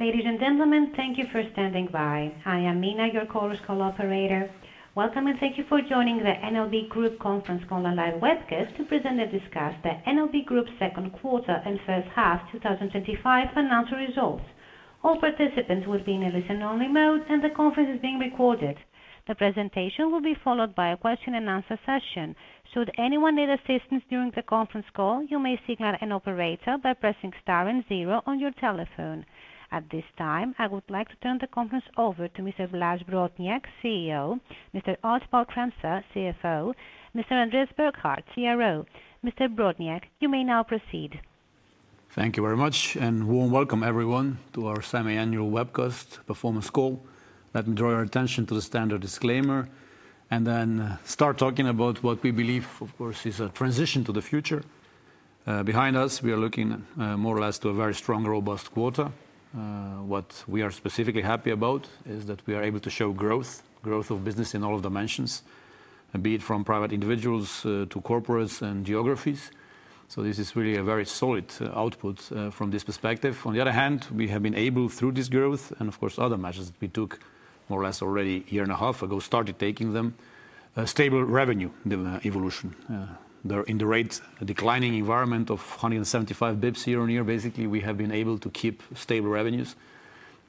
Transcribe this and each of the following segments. Ladies and gentlemen, thank you for standing by. I am Mina, your callers' call operator. Welcome and thank you for joining the NLB Group Conference Call on live webcast to present and discuss the NLB Group's second quarter and first half 2025 financial results. All participants will be in a listen-only mode, and the conference is being recorded. The presentation will be followed by a question-and-answer session. Should anyone need assistance during the conference call, you may signal an operator by pressing star and zero on your telephone. At this time, I would like to turn the conference over to Mr. Blaž Brodnjak, CEO, Mr. Archibald Kremser, CFO, and Mr. Andreas Burkhardt, CRO. Mr. Brodjnak, you may now proceed. Thank you very much, and a warm welcome, everyone, to our semi-annual webcast performance call. Let me draw your attention to the standard disclaimer and then start talking about what we believe, of course, is a transition to the future. Behind us, we are looking more or less to a very strong, robust quarter. What we are specifically happy about is that we are able to show growth, growth of business in all of dimensions, be it from private individuals to corporates and geographies. This is really a very solid output from this perspective. On the other hand, we have been able, through this growth and, of course, other measures that we took more or less already a year and a half ago, started taking them, a stable revenue evolution. In the rate-declining environment of 175 basis points year on year, basically, we have been able to keep stable revenues.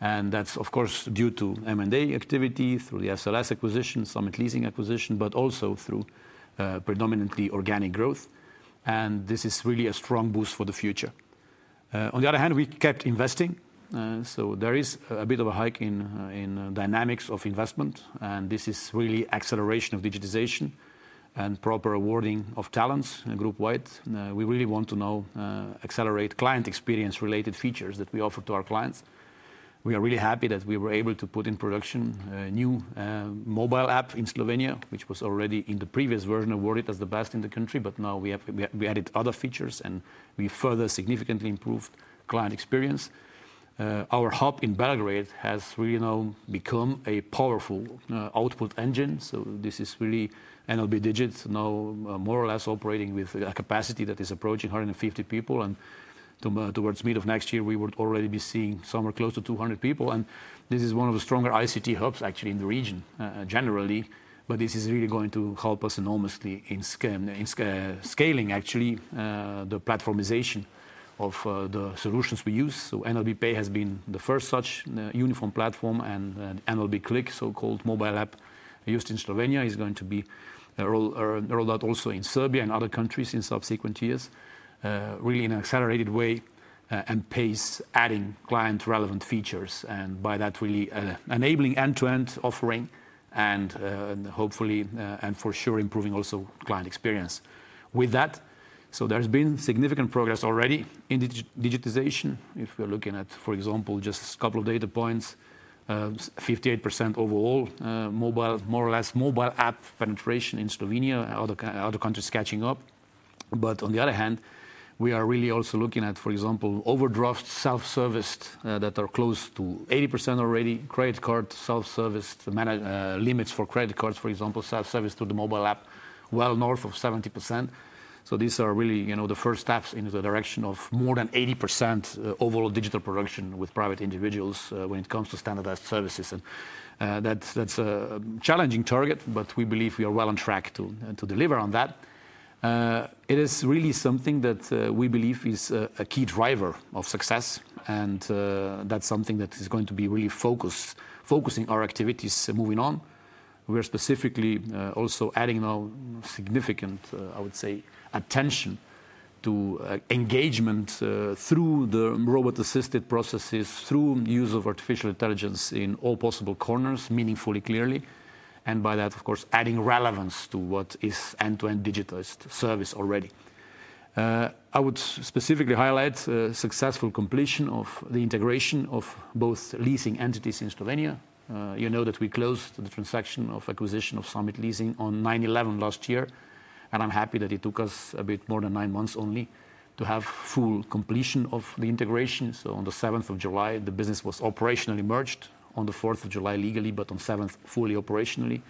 That's, of course, due to M&A activity through the Summit Leasing acquisition, but also through predominantly organic growth. This is really a strong boost for the future. On the other hand, we kept investing. There is a bit of a hike in dynamics of investment, and this is really acceleration of digitization and proper awarding of talents group-wide. We really want to accelerate client experience-related features that we offer to our clients. We are really happy that we were able to put in production a new mobile app in Slovenia, which was already in the previous version awarded as the best in the country, but now we added other features and we further significantly improved client experience. Our hub in Belgrade has really now become a powerful output engine. This is really NLB Digits now more or less operating with a capacity that is approaching 150 people. Towards the middle of next year, we would already be seeing somewhere close to 200 people. This is one of the stronger ICT hubs, actually, in the region generally. This is really going to help us enormously in scaling, actually, the platformization of the solutions we use. NLB Pay has been the first such uniform platform, and NLB Click, so-called mobile app used in Slovenia, is going to be rolled out also in Serbia and other countries in subsequent years, really in an accelerated way and pace, adding client-relevant features, and by that really enabling end-to-end offering and hopefully, and for sure, improving also client experience. With that, there's been significant progress already in digitization. If we're looking at, for example, just a couple of data points, 58% overall mobile, more or less mobile app penetration in Slovenia, other countries catching up. On the other hand, we are really also looking at, for example, overdraft self-service that are close to 80% already, credit card self-service limits for credit cards, for example, self-service to the mobile app, well north of 70%. These are really the first steps in the direction of more than 80% overall digital production with private individuals when it comes to standardized services. That's a challenging target, but we believe we are well on track to deliver on that. It is really something that we believe is a key driver of success, and that's something that is going to be really focusing our activities moving on. We are specifically also adding now significant, I would say, attention to engagement through the robot-assisted processes, through the use of artificial intelligence in all possible corners, meaningfully, clearly. By that, of course, adding relevance to what is end-to-end digitized service already. I would specifically highlight the successful completion of the integration of both leasing entities in Slovenia. You know that we closed the transaction of acquisition of Summit Leasing on 9/11 last year, and I'm happy that it took us a bit more than nine months only to have full completion of the integration. On the 7th of July, the business was operationally merged, on the 4th of July legally, but on the 7th fully operationally.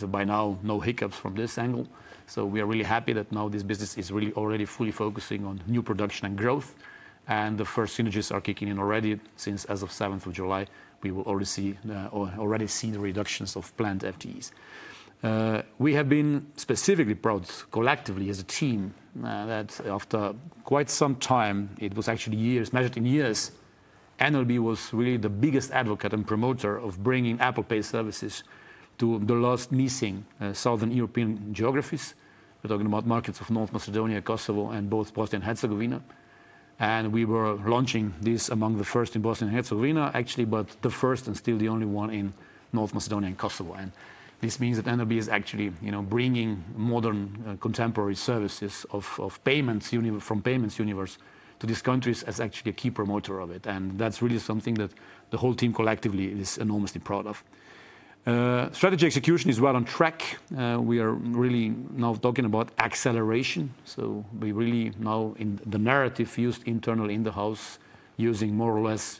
By now, no hiccups from this angle. We are really happy that now this business is really already fully focusing on new production and growth. The first synergies are kicking in already since, as of 7th of July, we will already see the reductions of planned FTEs. We have been specifically proud collectively as a team that after quite some time, it was actually years, measured in years, NLB was really the biggest advocate and promoter of bringing Apple Pay services to the last missing southern European geographies. We're talking about markets of North Macedonia, Kosovo, and both Bosnia and Herzegovina. We were launching this among the first in Bosnia and Herzegovina, actually, but the first and still the only one in North Macedonia and Kosovo. This means that NLB is actually bringing modern contemporary services from payments universe to these countries as actually a key promoter of it. That's really something that the whole team collectively is enormously proud of. Strategy execution is well on track. We are really now talking about acceleration. We really now, in the narrative used internally in the house, use more or less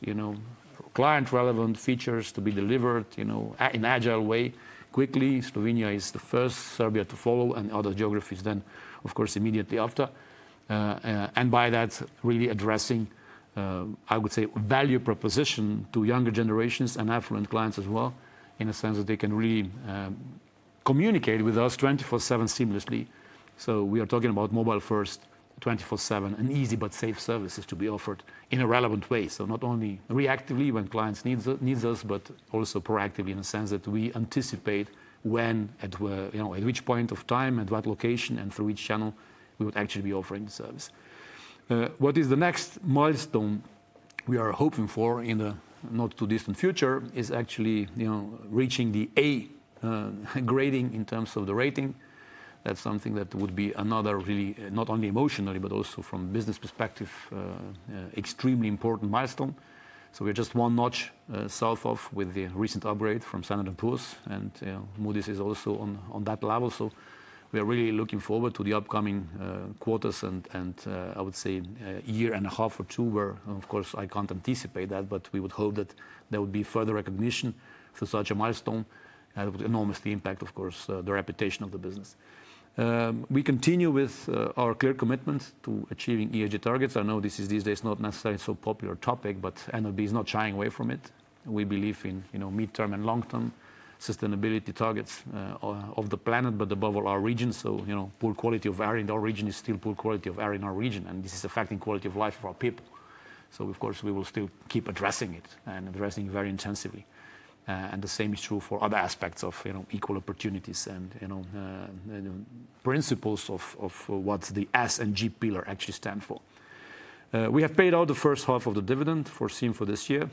client-relevant features to be delivered in an agile way quickly. Slovenia is the first, Serbia to follow, and other geographies then, of course, immediately after. By that, really addressing, I would say, value proposition to younger generations and affluent clients as well, in a sense that they can really communicate with us 24/7 seamlessly. We are talking about mobile first, 24/7, an easy but safe service to be offered in a relevant way. Not only reactively when clients need us, but also proactively in a sense that we anticipate when, at which point of time, at what location, and through which channel we would actually be offering the service. The next milestone we are hoping for in the not-too-distant future is actually reaching the A grading in terms of the rating. That's something that would be another really, not only emotionally, but also from a business perspective, extremely important milestone. We're just one notch south of, with the recent upgrade from S&P, and Moody's is also on that level. We are really looking forward to the upcoming quarters and, I would say, a year and a half or two where, of course, I can't anticipate that, but we would hope that there would be further recognition for such a milestone that would enormously impact, of course, the reputation of the business. We continue with our clear commitment to achieving ESG targets. I know this is these days not necessarily a so popular topic, but NLB Group is not shying away from it. We believe in mid-term and long-term sustainability targets of the planet, but above all our region. Poor quality of air in our region is still poor quality of air in our region, and this is affecting quality of life of our people. Of course, we will still keep addressing it and addressing it very intensively. The same is true for other aspects of equal opportunities and principles of what the S and G pillar actually stand for. We have paid out the first half of the dividend foreseen for this year.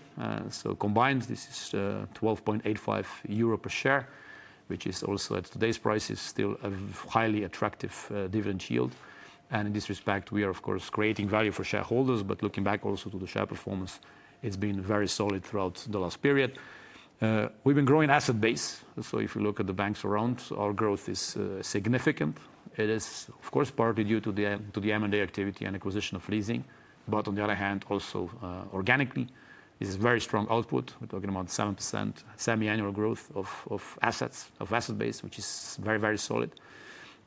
Combined, this is 12.85 euro per share, which is also at today's prices still a highly attractive dividend yield. In this respect, we are, of course, creating value for shareholders, but looking back also to the share performance, it's been very solid throughout the last period. We've been growing asset base. If you look at the banks around, our growth is significant. It is, of course, partly due to the M&A activity and acquisition of leasing, but on the other hand, also organically, it is a very strong output. We're talking about 7% semi-annual growth of assets, of asset base, which is very, very solid.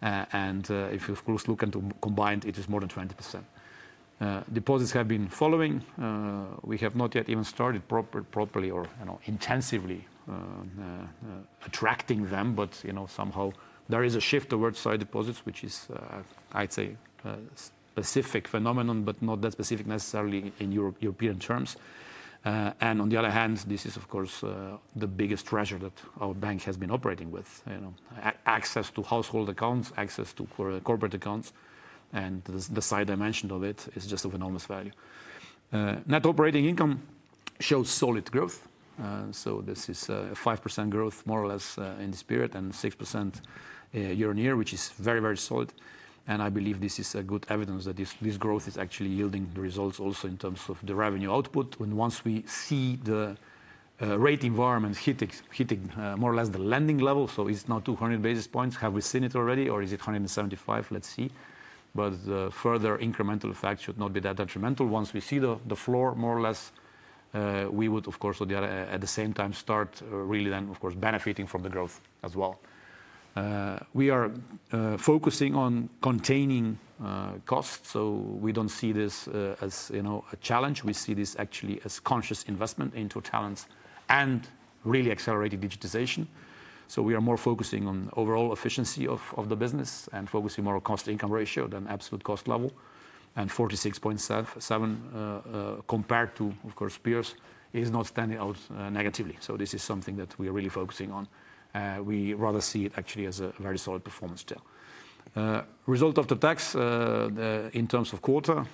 If you, of course, look into combined, it is more than 20%. Deposits have been following. We have not yet even started properly or intensively attracting them, but somehow there is a shift towards side deposits, which is, I'd say, a specific phenomenon, but not that specific necessarily in European terms. On the other hand, this is, of course, the biggest treasure that our bank has been operating with. Access to household accounts, access to corporate accounts, and the side dimension of it is just of enormous value. Net operating income shows solid growth. This is a 5% growth, more or less in this period, and 6% year on year, which is very, very solid. I believe this is a good evidence that this growth is actually yielding the results also in terms of the revenue output. Once we see the rate environment hitting more or less the landing level, so it's now 200 basis points. Have we seen it already or is it 175 basis points? Let's see. The further incremental effect should not be that detrimental. Once we see the floor, more or less, we would, of course, at the same time start really then, of course, benefiting from the growth as well. We are focusing on containing costs. We don't see this as a challenge. We see this actually as conscious investment into talents and really accelerated digitization. We are more focusing on overall efficiency of the business and focusing more on cost-to-income ratio than absolute cost level. 46.7% compared to, of course, peers is not standing out negatively. This is something that we are really focusing on. We rather see it actually as a very solid performance still. Result of the tax in terms of quarter,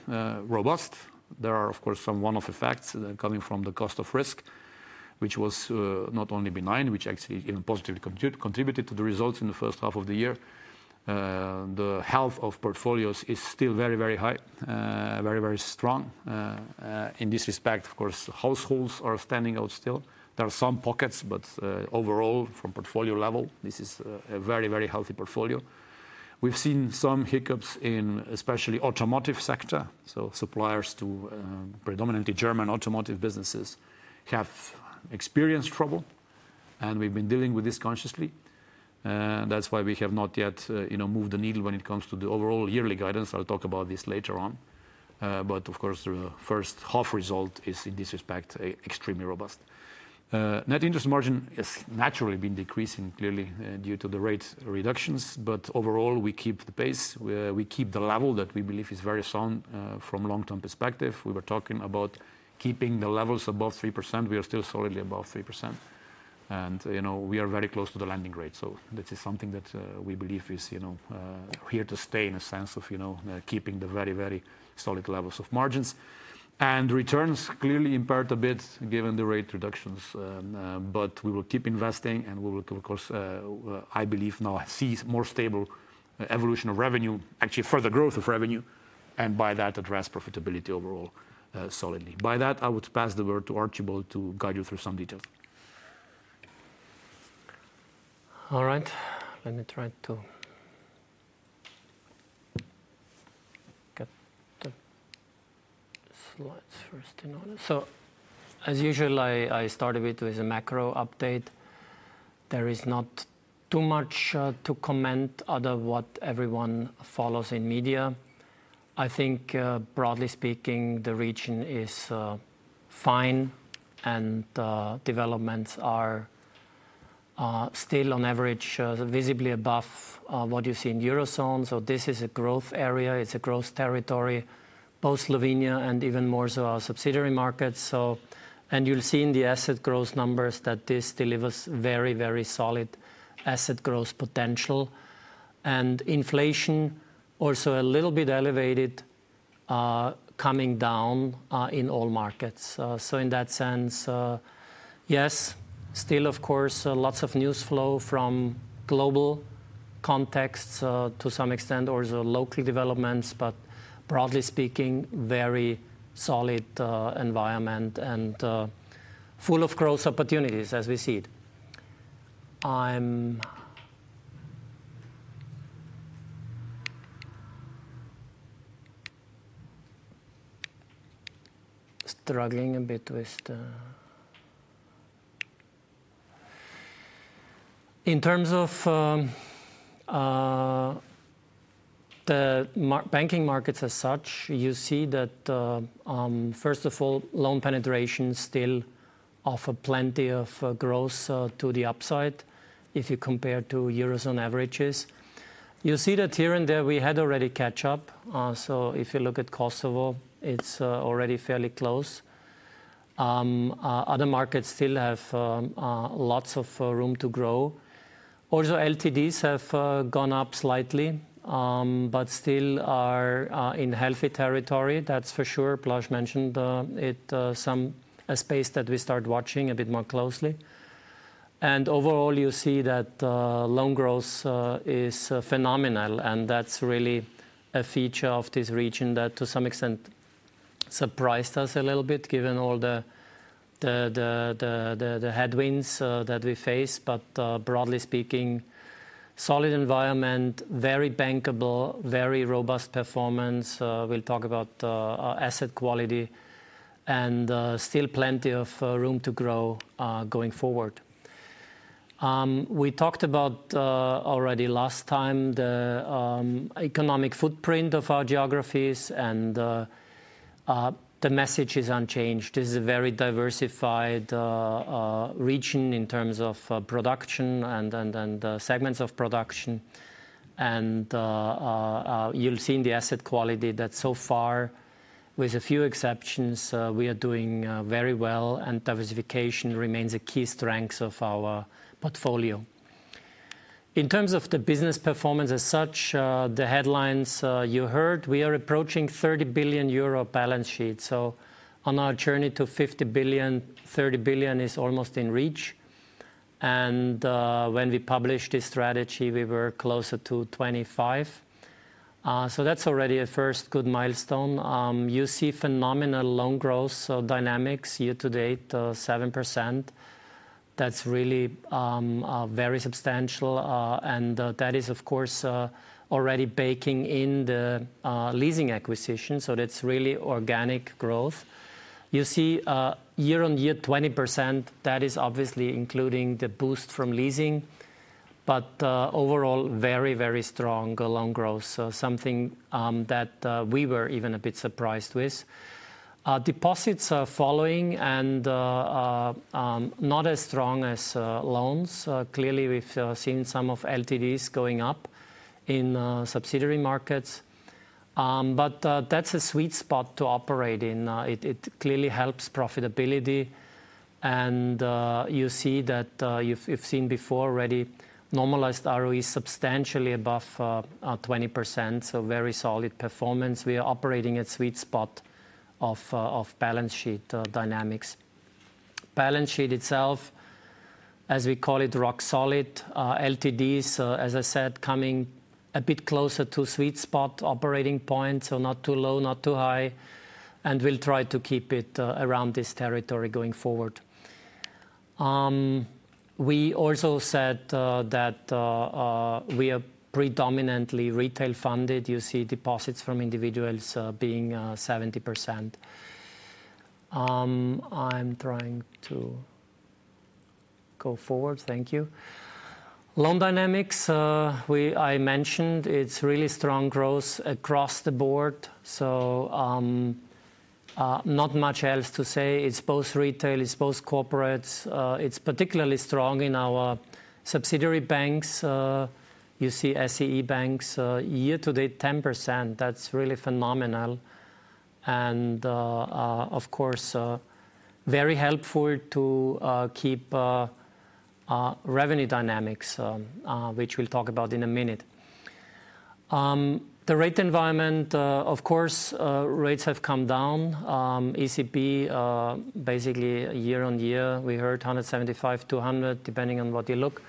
robust. There are, of course, some one-off effects coming from the cost of risk, which was not only benign, which actually even positively contributed to the results in the first half of the year. The health of portfolios is still very, very high, very, very strong. In this respect, of course, households are standing out still. There are some pockets, but overall, from portfolio level, this is a very, very healthy portfolio. We've seen some hiccups in especially the automotive sector. Suppliers to predominantly German automotive businesses have experienced trouble, and we've been dealing with this consciously. That's why we have not yet moved the needle when it comes to the overall yearly guidance. I'll talk about this later on. Of course, the first half result is in this respect extremely robust. Net interest margin has naturally been decreasing clearly due to the rate reductions, but overall, we keep the pace. We keep the level that we believe is very sound from a long-term perspective. We were talking about keeping the levels above 3%. We are still solidly above 3%. We are very close to the landing rate. This is something that we believe is here to stay in a sense of keeping the very, very solid levels of margins. Returns clearly impaired a bit given the rate reductions, but we will keep investing and we will, of course, I believe now see more stable evolution of revenue, actually further growth of revenue, and by that address profitability overall solidly. By that, I would pass the word to Archibald to guide you through some details. All right, let me try to get the slides first in order. As usual, I started with a macro update. There is not too much to comment other than what everyone follows in media. I think, broadly speaking, the region is fine and developments are still on average visibly above what you see in the Eurozone. This is a growth area, it's a growth territory, both Slovenia and even more so our subsidiary markets. You'll see in the asset growth numbers that this delivers very, very solid asset growth potential. Inflation is also a little bit elevated, coming down in all markets. In that sense, yes, still, of course, lots of news flow from global contexts to some extent or local developments, but broadly speaking, very solid environment and full of growth opportunities as we see it. In terms of the banking markets as such, you see that, first of all, loan penetrations still offer plenty of growth to the upside if you compare to Eurozone averages. You'll see that here and there we had already catch up. If you look at Kosovo, it's already fairly close. Other markets still have lots of room to grow. Also, LTDs have gone up slightly, but still are in healthy territory. That's for sure. Blaž mentioned it, some space that we start watching a bit more closely. Overall, you'll see that loan growth is phenomenal, and that's really a feature of this region that to some extent surprised us a little bit given all the headwinds that we faced. Broadly speaking, solid environment, very bankable, very robust performance. We'll talk about asset quality and still plenty of room to grow going forward. We talked about already last time the economic footprint of our geographies, and the message is unchanged. This is a very diversified region in terms of production and segments of production. You'll see in the asset quality that so far, with a few exceptions, we are doing very well, and diversification remains a key strength of our portfolio. In terms of the business performance as such, the headlines you heard, we are approaching 30 billion euro balance sheet. On our journey to 50 billion, 30 billion is almost in reach. When we published this strategy, we were closer to 25 billion. That's already a first good milestone. You see phenomenal loan growth dynamics year to date, 7%. That's really very substantial. That is, of course, already baking in the leasing acquisition. That's really organic growth. You see year on year 20%. That is obviously including the boost from leasing, but overall, very, very strong loan growth. Something that we were even a bit surprised with. Deposits are following and not as strong as loans. Clearly, we've seen some of LTDs going up in subsidiary markets. That's a sweet spot to operate in. It clearly helps profitability. You see that you've seen before already normalized ROE substantially above 20%. Very solid performance. We are operating at sweet spot of balance sheet dynamics. Balance sheet itself, as we call it, rock solid. LTDs, as I said, coming a bit closer to sweet spot operating points. Not too low, not too high. We'll try to keep it around this territory going forward. We also said that we are predominantly retail funded. You see deposits from individuals being 70%. I'm trying to go forward. Thank you. Loan dynamics, I mentioned, it's really strong growth across the board. Not much else to say. It's both retail, it's both corporates. It's particularly strong in our subsidiary banks. You see SEE banks year to date 10%. That's really phenomenal. Of course, very helpful to keep revenue dynamics, which we'll talk about in a minute. The rate environment, of course, rates have come down. ECB basically year on year, we heard 175%-200%, depending on what you look.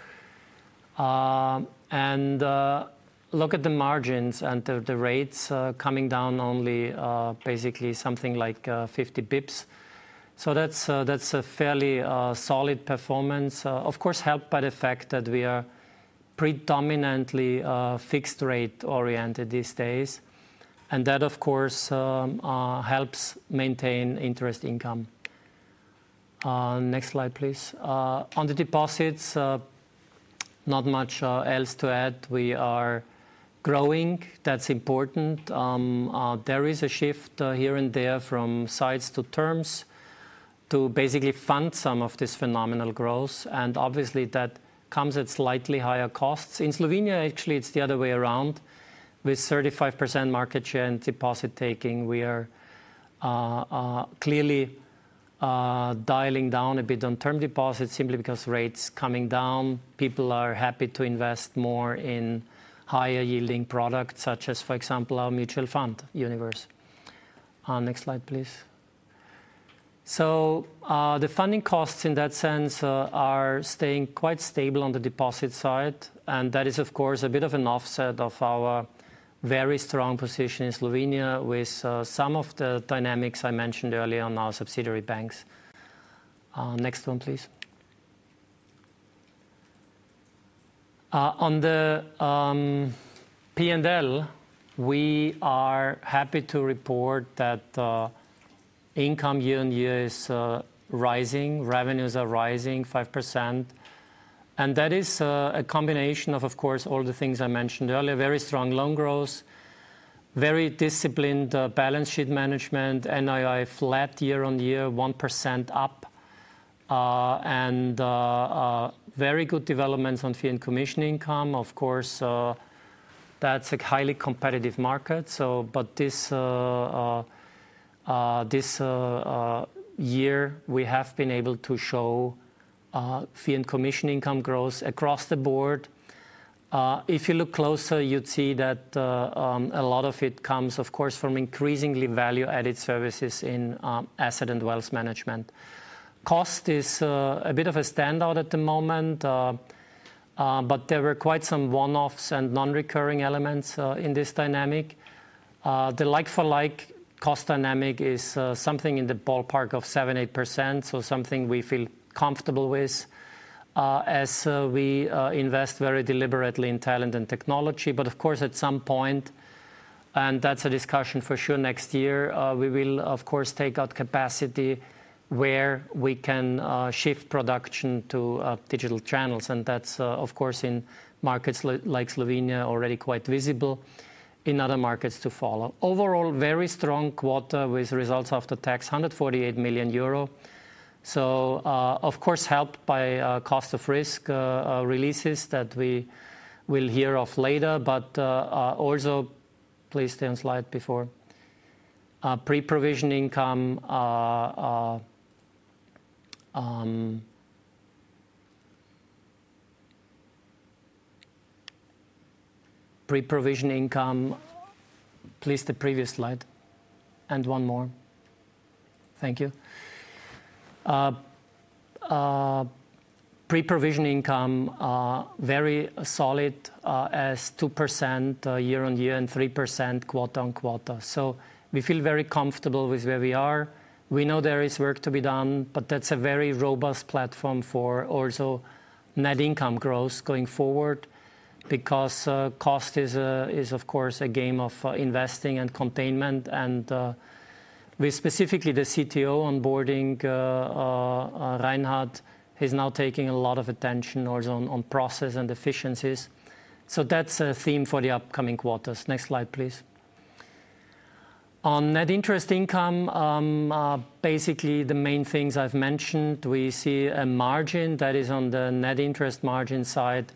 Look at the margins and the rates coming down only basically something like 50 basis points. That's a fairly solid performance. Of course, helped by the fact that we are predominantly fixed rate oriented these days. That, of course, helps maintain interest income. Next slide, please. On the deposits, not much else to add. We are growing. That's important. There is a shift here and there from sides to terms to basically fund some of this phenomenal growth. Obviously, that comes at slightly higher costs. In Slovenia, actually, it's the other way around. With 35% market share and deposit taking, we are clearly dialing down a bit on term deposits simply because rates are coming down. People are happy to invest more in higher yielding products, such as, for example, our mutual fund universe. Next slide, please. The funding costs in that sense are staying quite stable on the deposit side. That is, of course, a bit of an offset of our very strong position in Slovenia with some of the dynamics I mentioned earlier on our subsidiary banks. Next one, please. On the P&L, we are happy to report that income year on year is rising. Revenues are rising 5%. That is a combination of, of course, all the things I mentioned earlier. Very strong loan growth, very disciplined balance sheet management, NII flat year on year, 1% up, and very good developments on fee and commission income. Of course, that's a highly competitive market. This year, we have been able to show fee and commission income growth across the board. If you look closer, you'd see that a lot of it comes, of course, from increasingly value-added services in asset and wealth management. Cost is a bit of a standout at the moment, but there were quite some one-offs and non-recurring elements in this dynamic. The like-for-like cost dynamic is something in the ballpark of 7%-8%. That is something we feel comfortable with as we invest very deliberately in talent and technology. At some point, and that's a discussion for sure next year, we will, of course, take out capacity where we can shift production to digital channels. That is, of course, in markets like Slovenia already quite visible, in other markets to follow. Overall, very strong quarter with results after tax, 148 million euro. Of course, helped by cost of risk releases that we will hear of later. Also, please stay on slide before. Pre-provision income. Please, the previous slide and one more. Thank you. Pre-provision income, very solid as 2% year on year and 3% quarter on quarter. We feel very comfortable with where we are. We know there is work to be done, but that's a very robust platform for also net income growth going forward because cost is, of course, a game of investing and containment. With specifically the CTO onboarding, Reinhardt, he's now taking a lot of attention also on process and efficiencies. That is a theme for the upcoming quarters. Next slide, please. On net interest income, basically, the main things I've mentioned, we see a margin that is on the net interest margin side, of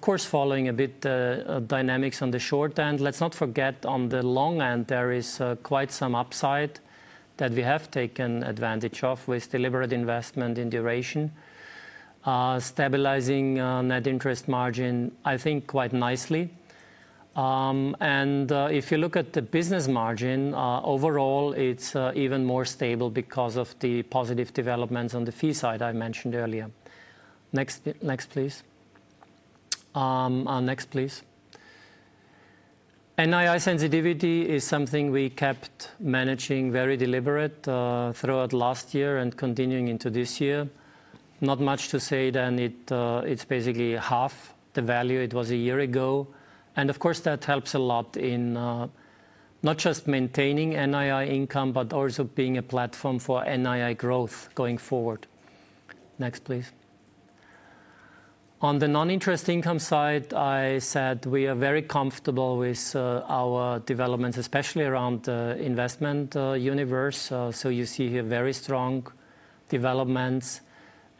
course, following a bit the dynamics on the short end. Let's not forget on the long end, there is quite some upside that we have taken advantage of with deliberate investment in duration, stabilizing net interest margin, I think, quite nicely. If you look at the business margin, overall, it's even more stable because of the positive developments on the fee side I mentioned earlier. Next, please. Next, please. NII sensitivity is something we kept managing very deliberately throughout last year and continuing into this year. Not much to say then, it's basically half the value it was a year ago. Of course, that helps a lot in not just maintaining NII income, but also being a platform for NII growth going forward. Next, please. On the non-interest income side, I said we are very comfortable with our developments, especially around the investment universe. You see here very strong developments.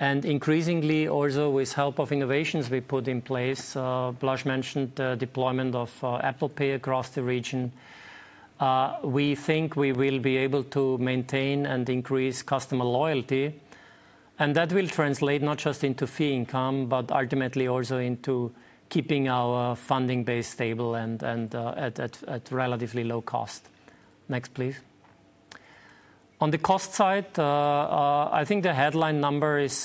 Increasingly, also with the help of innovations we put in place, Blaž mentioned the deployment of Apple Pay across the region. We think we will be able to maintain and increase customer loyalty. That will translate not just into fee income, but ultimately also into keeping our funding base stable and at relatively low cost. Next, please. On the cost side, I think the headline number is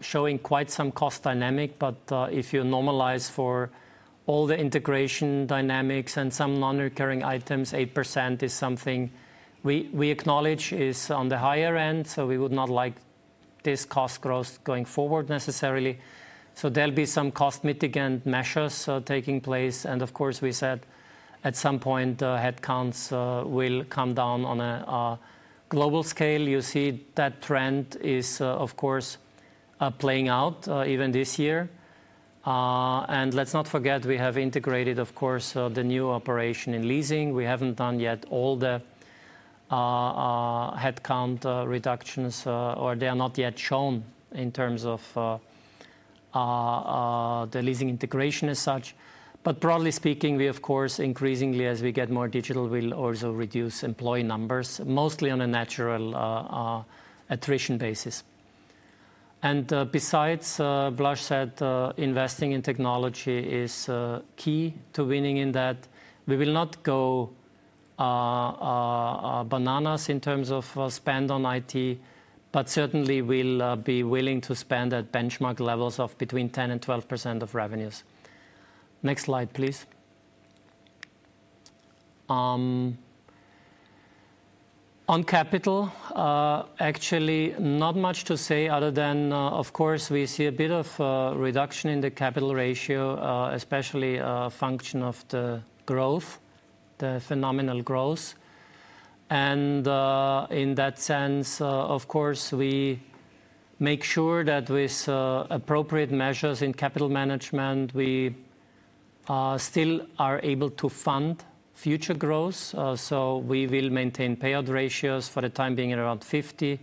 showing quite some cost dynamic, but if you normalize for all the integration dynamics and some non-recurring items, 8% is something we acknowledge is on the higher end. We would not like this cost growth going forward necessarily. There will be some cost mitigant measures taking place. Of course, we said at some point, the headcounts will come down on a global scale. You see that trend is, of course, playing out even this year. Let's not forget, we have integrated, of course, the new operation in leasing. We haven't done yet all the headcount reductions, or they are not yet shown in terms of the leasing integration as such. Broadly speaking, we, of course, increasingly, as we get more digital, will also reduce employee numbers, mostly on a natural attrition basis. Besides, Blaž said investing in technology is key to winning in that. We will not go bananas in terms of spend on IT, but certainly we'll be willing to spend at benchmark levels of between 10%-12% of revenues. Next slide, please. On capital, actually, not much to say other than, of course, we see a bit of reduction in the capital ratio, especially a function of the growth, the phenomenal growth. In that sense, of course, we make sure that with appropriate measures in capital management, we still are able to fund future growth. We will maintain payout ratios for the time being at around 50%.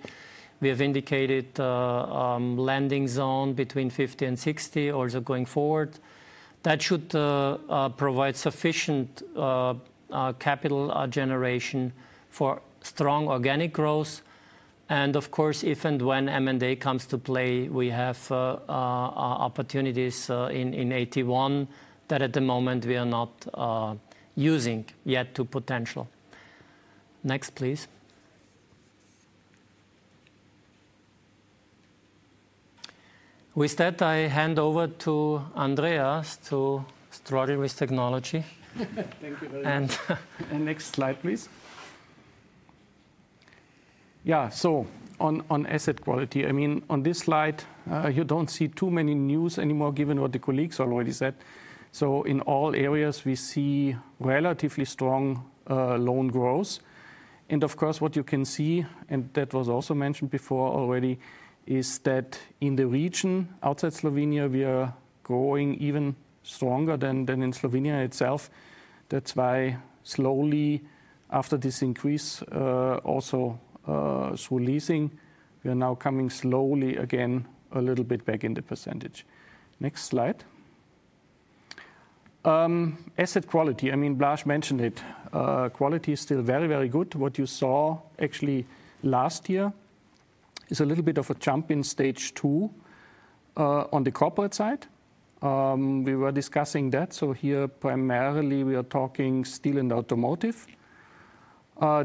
We have indicated a landing zone between 50%-60%, also going forward. That should provide sufficient capital generation for strong organic growth. Of course, if and when M&A comes to play, we have opportunities in AT1 that at the moment we are not using yet to potential. Next, please. With that, I hand over to Andreas to struggle with technology. Thank you. Next slide, please. Yeah, on asset quality, on this slide, you don't see too many news anymore given what the colleagues already said. In all areas, we see relatively strong loan growth. Of course, what you can see, and that was also mentioned before already, is that in the region outside Slovenia, we are growing even stronger than in Slovenia itself. That's why slowly, after this increase, also through leasing, we are now coming slowly again a little bit back in the percentage. Next slide. Asset quality, I mean, Blaž Brodnjak mentioned it. Quality is still very, very good. What you saw actually last year is a little bit of a jump in stage two on the corporate side. We were discussing that. Here, primarily, we are talking steel and automotive.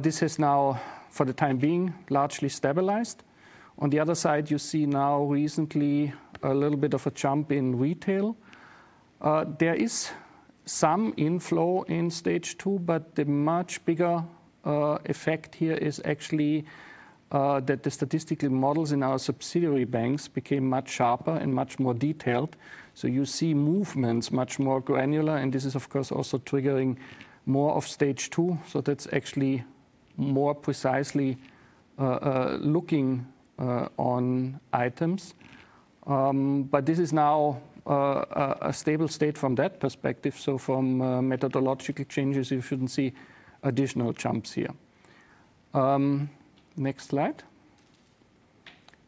This has now, for the time being, largely stabilized. On the other side, you see now recently a little bit of a jump in retail. There is some inflow in stage two, but the much bigger effect here is actually that the statistical models in our subsidiary banks became much sharper and much more detailed. You see movements much more granular, and this is, of course, also triggering more of stage two. That's actually more precisely looking on items. This is now a stable state from that perspective. From methodological changes, you shouldn't see additional jumps here. Next slide.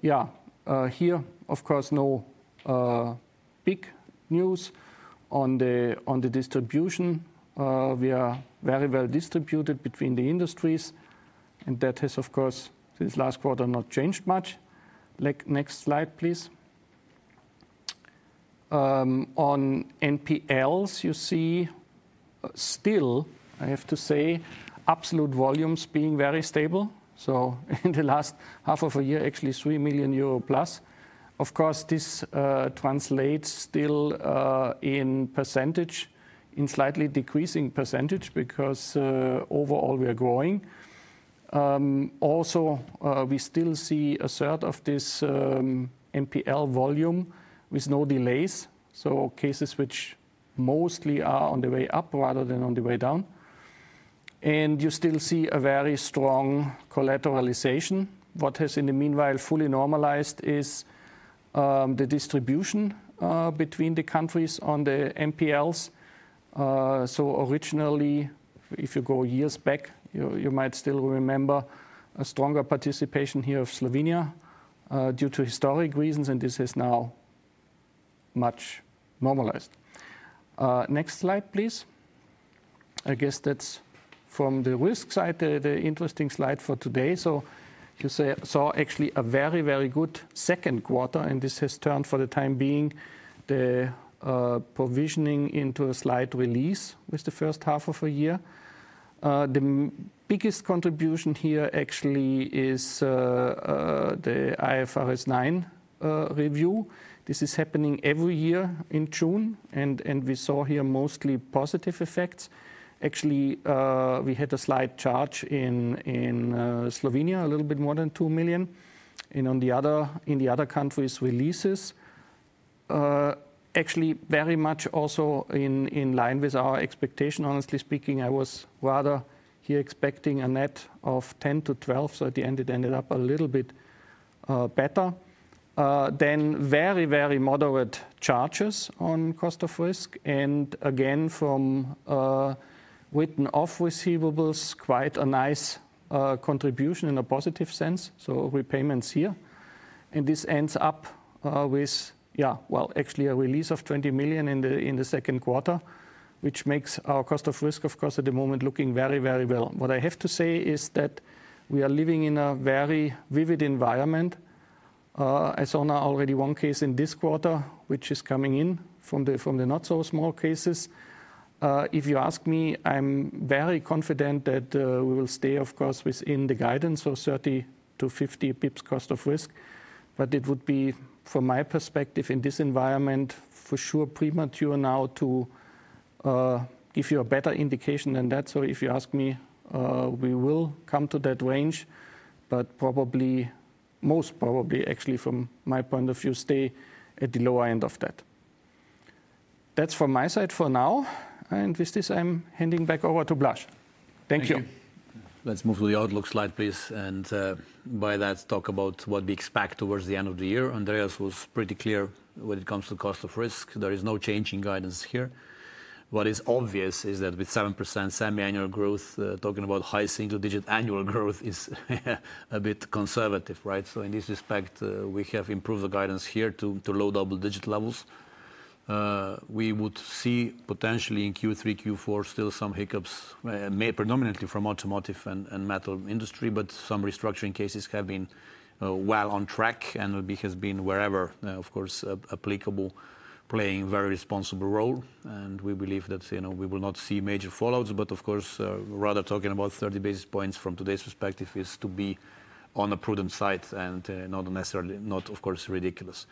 Here, of course, no big news on the distribution. We are very well distributed between the industries, and that has, of course, since last quarter, not changed much. Next slide, please. On NPLs, you see still, I have to say, absolute volumes being very stable. In the last half of a year, actually, EUR 3+million. Of course, this translates still in percentage, in slightly decreasing percentage because overall we are growing. Also, we still see a third of this NPL volume with no delays. Cases which mostly are on the way up rather than on the way down. You still see a very strong collateralization. What has in the meanwhile fully normalized is the distribution between the countries on the NPLs. Originally, if you go years back, you might still remember a stronger participation here of Slovenia due to historic reasons, and this has now much normalized. Next slide, please. I guess that's from the risk side, the interesting slide for today. You saw actually a very, very good second quarter, and this has turned for the time being the provisioning into a slight release with the first half of the year. The biggest contribution here actually is the IFRS 9 review. This is happening every year in June, and we saw here mostly positive effects. Actually, we had a slight charge in Slovenia, a little bit more than 2 million. On the other countries' releases, actually very much also in line with our expectation. Honestly speaking, I was rather here expecting a net of 10 million-12 million. At the end, it ended up a little bit better. Very, very moderate charges on cost of risk. Again, from written off receivables, quite a nice contribution in a positive sense. Repayments here. This ends up with, actually a release of 20 million in the second quarter, which makes our cost of risk, of course, at the moment looking very, very well. What I have to say is that we are living in a very vivid environment. I saw now already one case in this quarter, which is coming in from the not so small cases. If you ask me, I'm very confident that we will stay, of course, within the guidance of 30 basis points-50 basis points cost of risk. It would be, from my perspective, in this environment, for sure premature now to give you a better indication than that. If you ask me, we will come to that range, but probably, most probably, actually from my point of view, stay at the lower end of that. That's from my side for now. With this, I'm handing back over to Blaž. Thank you. Let's move to the outlook slide, please. By that, talk about what we expect towards the end of the year. Andreas was pretty clear when it comes to the cost of risk. There is no change in guidance here. What is obvious is that with 7% semi-annual growth, talking about high single-digit annual growth is a bit conservative, right? In this respect, we have improved the guidance here to low double-digit levels. We would see potentially in Q3, Q4 still some hiccups, made predominantly from automotive and metal industry, but some restructuring cases have been well on track and have been wherever, of course, applicable, playing a very responsible role. We believe that we will not see major fallouts, but rather talking about 30 basis points from today's perspective is to be on a prudent side and not necessarily, of course, ridiculous.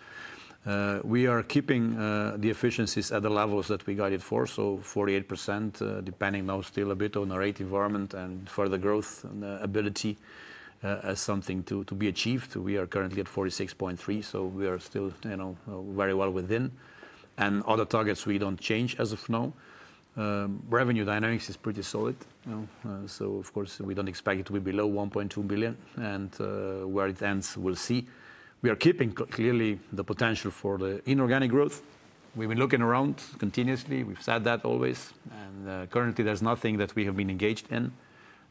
We are keeping the efficiencies at the levels that we guided for. So 48%, depending now still a bit on our rate environment and further growth ability as something to be achieved. We are currently at 46.3%. We are still very well within. Other targets we don't change as of now. Revenue dynamics is pretty solid. We don't expect it to be below 1.2 billion. Where it ends, we'll see. We are keeping clearly the potential for the inorganic growth. We've been looking around continuously. We've said that always. Currently, there's nothing that we have been engaged in.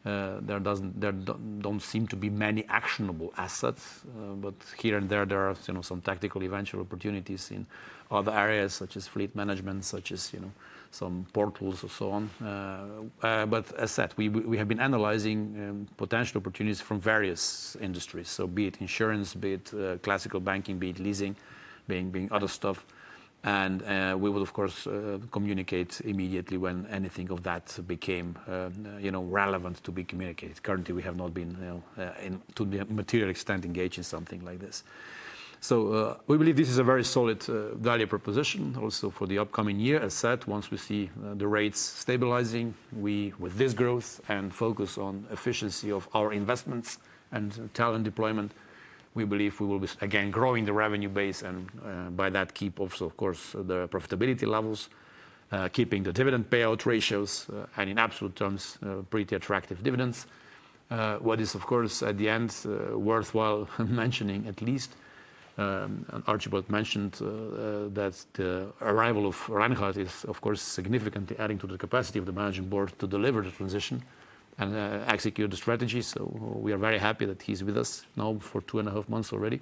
There don't seem to be many actionable assets, but here and there, there are some tactical eventual opportunities in other areas such as fleet management, such as some portals or so on. As I said, we have been analyzing potential opportunities from various industries. Be it insurance, be it classical banking, be it leasing, being other stuff. We would, of course, communicate immediately when anything of that became relevant to be communicated. Currently, we have not been, to a material extent, engaged in something like this. We believe this is a very solid value proposition also for the upcoming year. As I said, once we see the rates stabilizing, with this growth and focus on efficiency of our investments and talent deployment, we believe we will be again growing the revenue base and by that keep also, of course, the profitability levels, keeping the dividend payout ratios, and in absolute terms, pretty attractive dividends. What is, of course, at the end, worthwhile mentioning at least, Archibald Kremser mentioned that the arrival of Reinhardt is, of course, significantly adding to the capacity of the Managing Board to deliver the transition and execute the strategy. We are very happy that he's with us now for two and a half months already.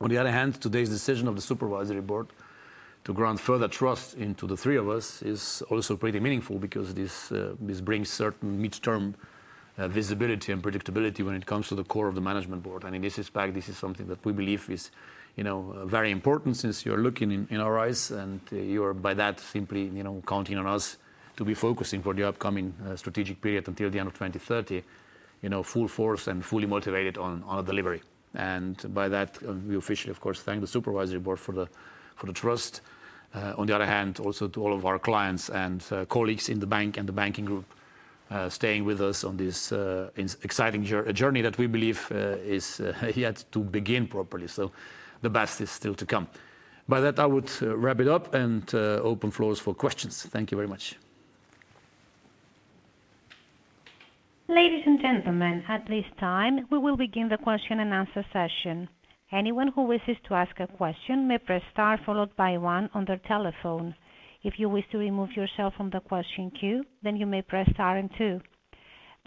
On the other hand, today's decision of the Supervisory Board to grant further trust into the three of us is also pretty meaningful because this brings certain mid-term visibility and predictability when it comes to the core of the Management Board. In this respect, this is something that we believe is very important since you're looking in our eyes and you're by that simply counting on us to be focusing for the upcoming strategic period until the end of 2030, full force and fully motivated on a delivery. We officially, of course, thank the Supervisory Board for the trust. On the other hand, also to all of our clients and colleagues in the bank and the banking group staying with us on this exciting journey that we believe is yet to begin properly. The best is still to come. By that, I would wrap it up and open floors for questions. Thank you very much. Ladies and gentlemen, at this time, we will begin the question and answer session. Anyone who wishes to ask a question may press star followed by one on their telephone. If you wish to remove yourself from the question queue, then you may press star and two.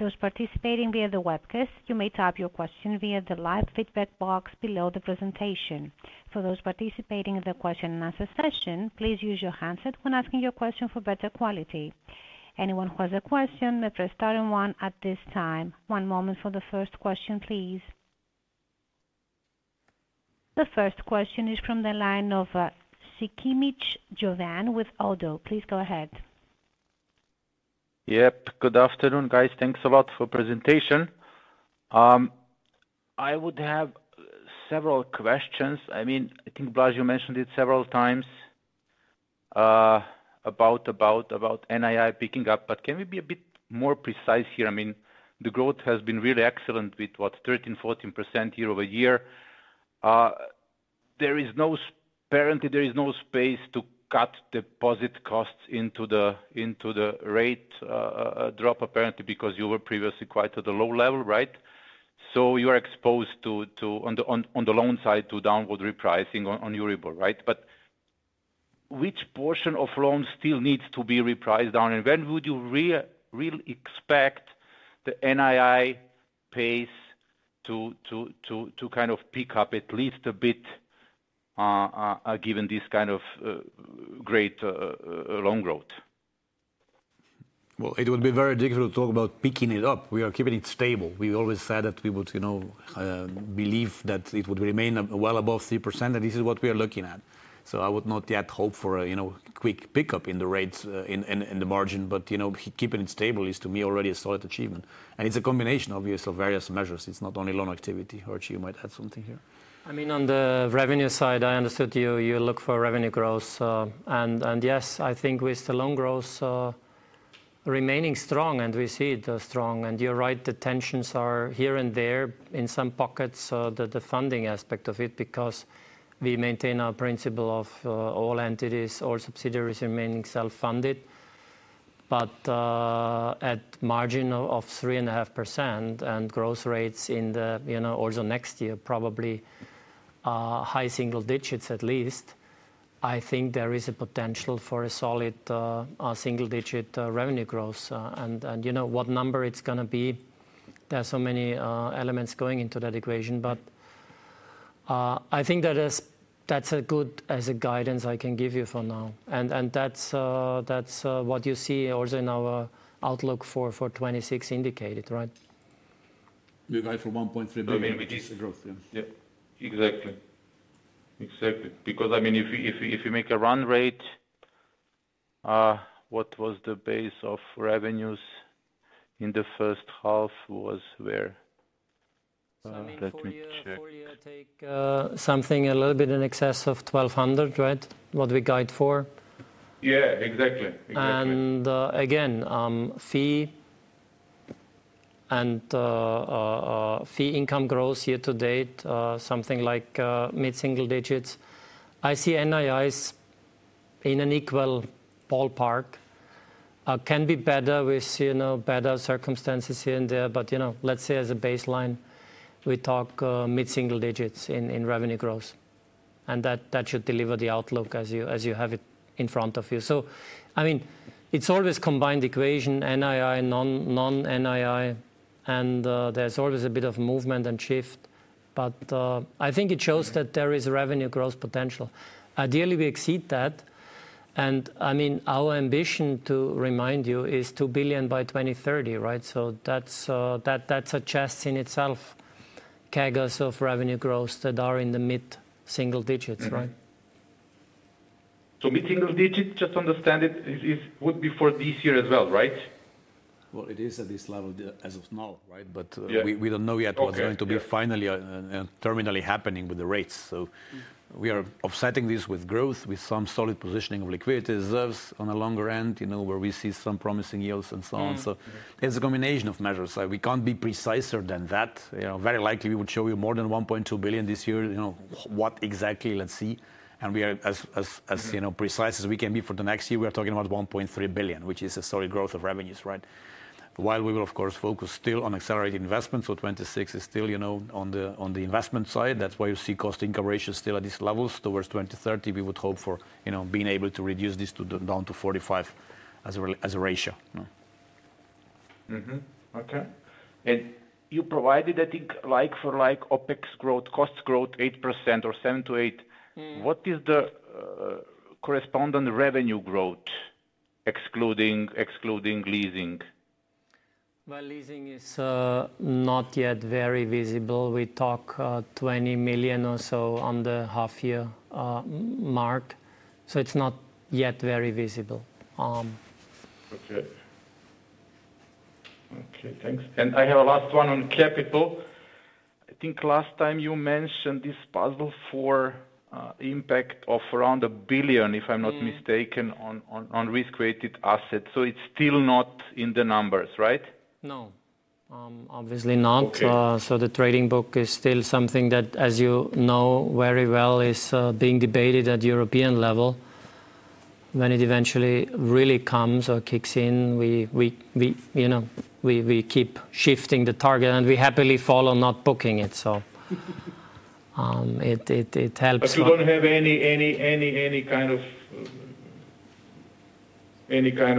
Those participating via the webcast, you may type your question via the live feedback box below the presentation. For those participating in the question and answer session, please use your handset when asking your question for better quality. Anyone who has a question may press star and one at this time. One moment for the first question, please. The first question is from the line of Sikimic Jovan with ODDO. Please go ahead. Yep. Good afternoon, guys. Thanks a lot for the presentation. I would have several questions. I mean, I think Blaž, you mentioned it several times about NII picking up, but can we be a bit more precise here? I mean, the growth has been really excellent with what, 13%-14% year over year. Apparently, there is no space to cut deposit costs into the rate drop, apparently, because you were previously quite at a low level, right? You are exposed to, on the loan side, to downward repricing on Euribor, right? Which portion of loans still needs to be repriced down? When would you really expect the NII pace to kind of pick up at least a bit, given this kind of great loan growth? It would be very difficult to talk about picking it up. We are keeping it stable. We always said that we would believe that it would remain well above 3%, and this is what we are looking at. I would not yet hope for a quick pickup in the rates and the margin, but keeping it stable is, to me, already a solid achievement. It's a combination, obviously, of various measures. It's not only loan activity. Arch, you might add something here. I mean, on the revenue side, I understood you look for revenue growth. Yes, I think with the loan growth remaining strong, and we see it as strong. You're right, the tensions are here and there in some pockets, the funding aspect of it, because we maintain our principle of all entities, all subsidiaries remaining self-funded. At a margin of 3.5% and growth rates in the, you know, also next year, probably high single digits at least, I think there is a potential for a solid single-digit revenue growth. You know what number it's going to be, there are so many elements going into that equation. I think that that's as good as a guidance I can give you for now. That's what you see also in our outlook for 2026 indicated, right? You guys from 1.3 billion. I mean, we didn't grow. Yeah. Exactly. Exactly. If you make a run rate, what was the base of revenues in the first half was where? If we take something a little bit in excess of 1,200, right? What we guide for? Exactly. Exactly. Fee and fee income growth year to date, something like mid-single digits. I see NIIs in an equal ballpark. It can be better with better circumstances here and there, but as a baseline, we talk mid-single digits in revenue growth. That should deliver the outlook as you have it in front of you. It is always a combined equation, NII, non-NII, and there's always a bit of movement and shift. I think it shows that there is revenue growth potential. Ideally, we exceed that. Our ambition to remind you is 2 billion by 2030, right? That suggests in itself kegels of revenue growth that are in the mid-single digits, right? Mid-single digits, just to understand it, would be for this year as well, right? It is at this level as of now, right? We don't know yet what's going to be finally and terminally happening with the rates. We are offsetting this with growth, with some solid positioning of liquidity reserves on the longer end, where we see some promising yields and so on. It's a combination of measures. We can't be preciser than that. Very likely, we would show you more than 1.2 billion this year. You know what exactly, let's see. We are as precise as we can be for the next year. We are talking about 1.3 billion, which is a solid growth of revenues, right? While we will, of course, focus still on accelerated investments. 2026 is still, you know, on the investment side. That's why you see cost-to-income ratios still at these levels. Towards 2030, we would hope for being able to reduce this down to 45% as a ratio. Okay. You provided, I think, like-for-like OpEx growth, cost growth 8% or 7%-8%. What is the correspondent revenue growth, excluding leasing? Leasing is not yet very visible. We talk 20 million or so on the half-year mark, so it's not yet very visible. Okay, thanks. I have a last one on capital. I think last time you mentioned this puzzle for impact of around 1 billion, if I'm not mistaken, on risk-weighted assets. It's still not in the numbers, right? No, obviously not. The trading book is still something that, as you know very well, is being debated at the European level. When it eventually really comes or kicks in, we keep shifting the target and we happily follow not booking it. It helps. You don't have any kind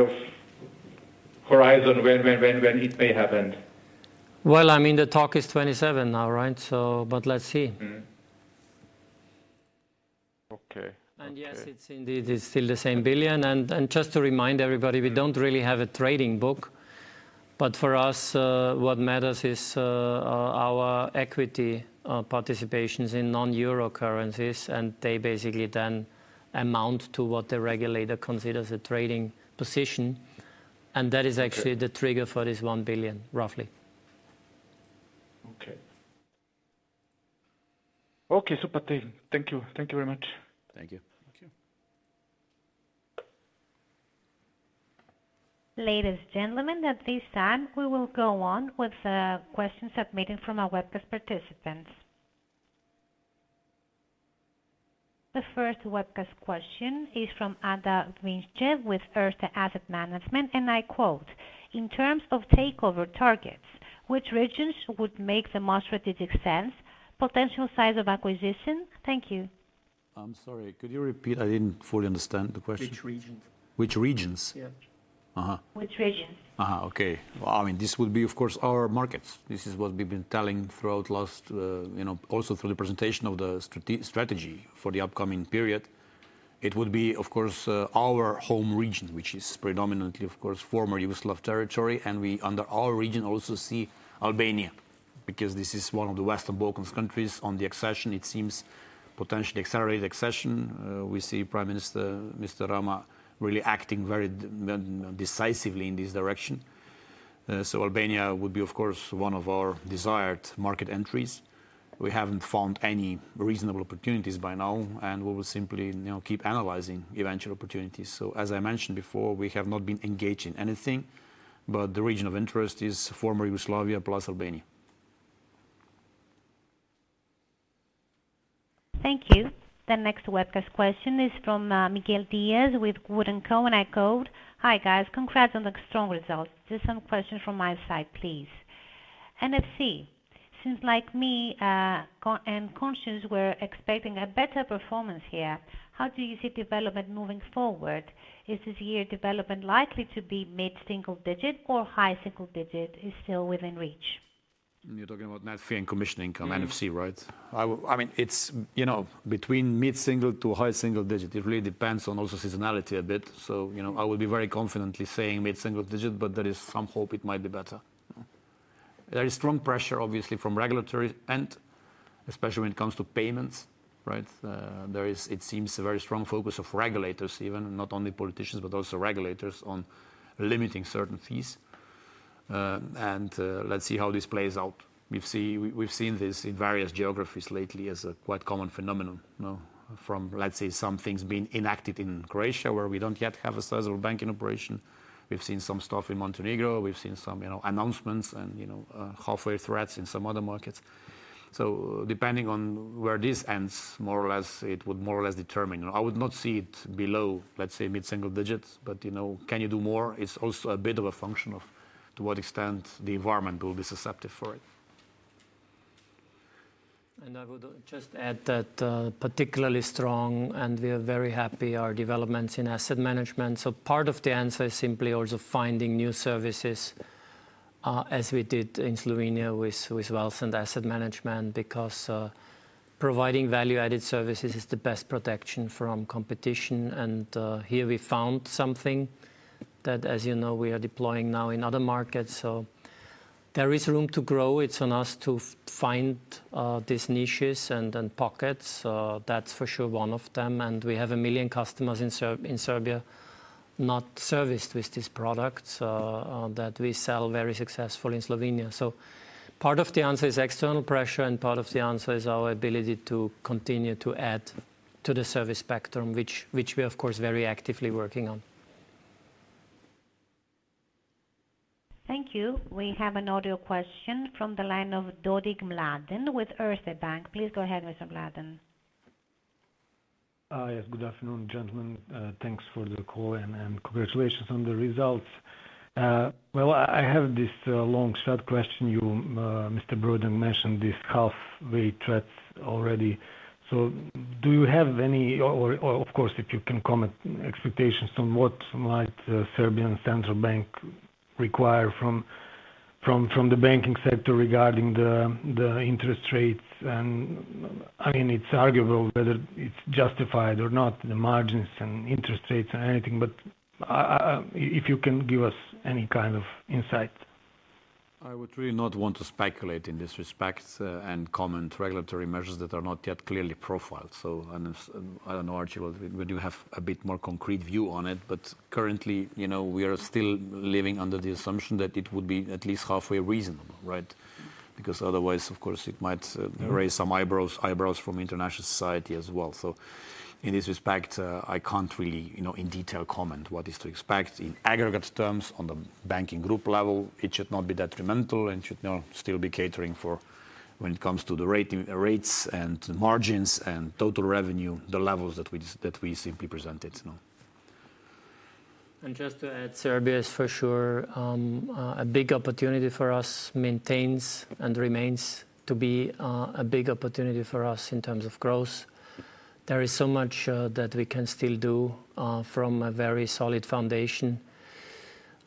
of horizon when it may happen. I mean, the talk is 27% now, right? Let's see. Okay. Yes, it's indeed still the same billion. Just to remind everybody, we don't really have a trading book. For us, what matters is our equity participations in non-Euro currencies, and they basically then amount to what the regulator considers a trading position. That is actually the trigger for this 1 billion, roughly. Okay, thank you. Thank you very much. Thank you. Thank you. Ladies and gentlemen, at this time, we will go on with the questions submitted from our webcast participants. The first webcast question is from [Ada Vinchev] with Erste Asset Management, and I quote, "In terms of takeover targets, which regions would make the most strategic sense? Potential size of acquisition." Thank you. I'm sorry, could you repeat? I didn't fully understand the question. Which regions? Which regions? Yeah. Which regions? Okay. This would be, of course, our markets. This is what we've been telling throughout last, you know, also through the presentation of the strategy for the upcoming period. It would be, of course, our home region, which is predominantly, of course, former Yugoslav territory. We under our region also see Albania because this is one of the Western Balkans countries on the accession. It seems potentially accelerated accession. We see Prime Minister Mr. Rama really acting very decisively in this direction. Albania would be, of course, one of our desired market entries. We haven't found any reasonable opportunities by now, and we will simply keep analyzing eventual opportunities. As I mentioned before, we have not been engaged in anything, but the region of interest is former Yugoslavia plus Albania. Thank you. The next webcast question is from Miguel Dias with Wood & Co. "Hi guys, congrats on the strong results. Just some questions from my side, please. NFC, since like me and conscience were expecting a better performance here, how do you see development moving forward? Is this year development likely to be mid-single digit or high single digit is still within reach? You're talking about net fee and commission income, NFC, right? I mean, it's, you know, between mid-single to high single digit. It really depends on also seasonality a bit. I would be very confidently saying mid-single digit, but there is some hope it might be better. There is strong pressure, obviously, from regulatory, and especially when it comes to payments, right? There is, it seems, a very strong focus of regulators, even not only politicians, but also regulators on limiting certain fees. Let's see how this plays out. We've seen this in various geographies lately as a quite common phenomenon. From, let's say, some things being enacted in Croatia, where we don't yet have a sizeable bank in operation. We've seen some stuff in Montenegro. We've seen some announcements and halfway threats in some other markets. Depending on where this ends, more or less, it would more or less determine. I would not see it below, let's say, mid-single digits, but can you do more? It's also a bit of a function of to what extent the environment will be susceptible for it. I would just add that particularly strong, and we are very happy, are developments in asset management. Part of the answer is simply also finding new services, as we did in Slovenia with wealth and asset management, because providing value-added services is the best protection from competition. Here we found something that, as you know, we are deploying now in other markets. There is room to grow. It's on us to find these niches and pockets. That's for sure one of them. We have a million customers in Serbia not serviced with these products that we sell very successfully in Slovenia. Part of the answer is external pressure, and part of the answer is our ability to continue to add to the service spectrum, which we are, of course, very actively working on. Thank you. We have an audio question from the line of Dodig Mladen with Erste Bank. Please go ahead, Mr. Mladen. Yes, good afternoon, gentlemen. Thanks for the call and congratulations on the results. I have this long shot question. You, Mr. Brodnjak, mentioned this halfway threat already. Do you have any, or of course, if you can comment, expectations on what might the Serbian Central Bank require from the banking sector regarding the interest rates? I mean, it's arguable whether it's justified or not, the margins and interest rates or anything, but if you can give us any kind of insight. I would really not want to speculate in this respect and comment on regulatory measures that are not yet clearly profiled. I don't know, Archibald, would you have a bit more concrete view on it? Currently, you know, we are still living under the assumption that it would be at least halfway reasonable, right? Otherwise, of course, it might raise some eyebrows from the international society as well. In this respect, I can't really, you know, in detail comment what is to expect in aggregate terms on the banking group level. It should not be detrimental and should still be catering for when it comes to the rates and margins and total revenue, the levels that we simply presented. Just to add, Serbia is for sure a big opportunity for us, maintains and remains to be a big opportunity for us in terms of growth. There is so much that we can still do from a very solid foundation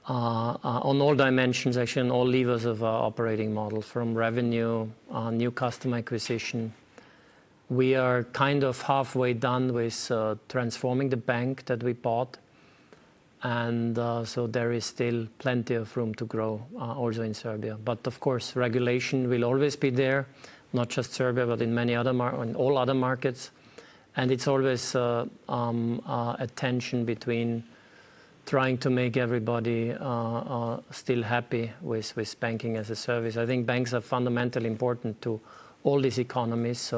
on all dimensions, actually, on all levels of our operating model, from revenue, new customer acquisition. We are kind of halfway done with transforming the bank that we bought. There is still plenty of room to grow also in Serbia. Of course, regulation will always be there, not just Serbia, but in many other markets, in all other markets. It's always a tension between trying to make everybody still happy with banking as a service. I think banks are fundamentally important to all these economies.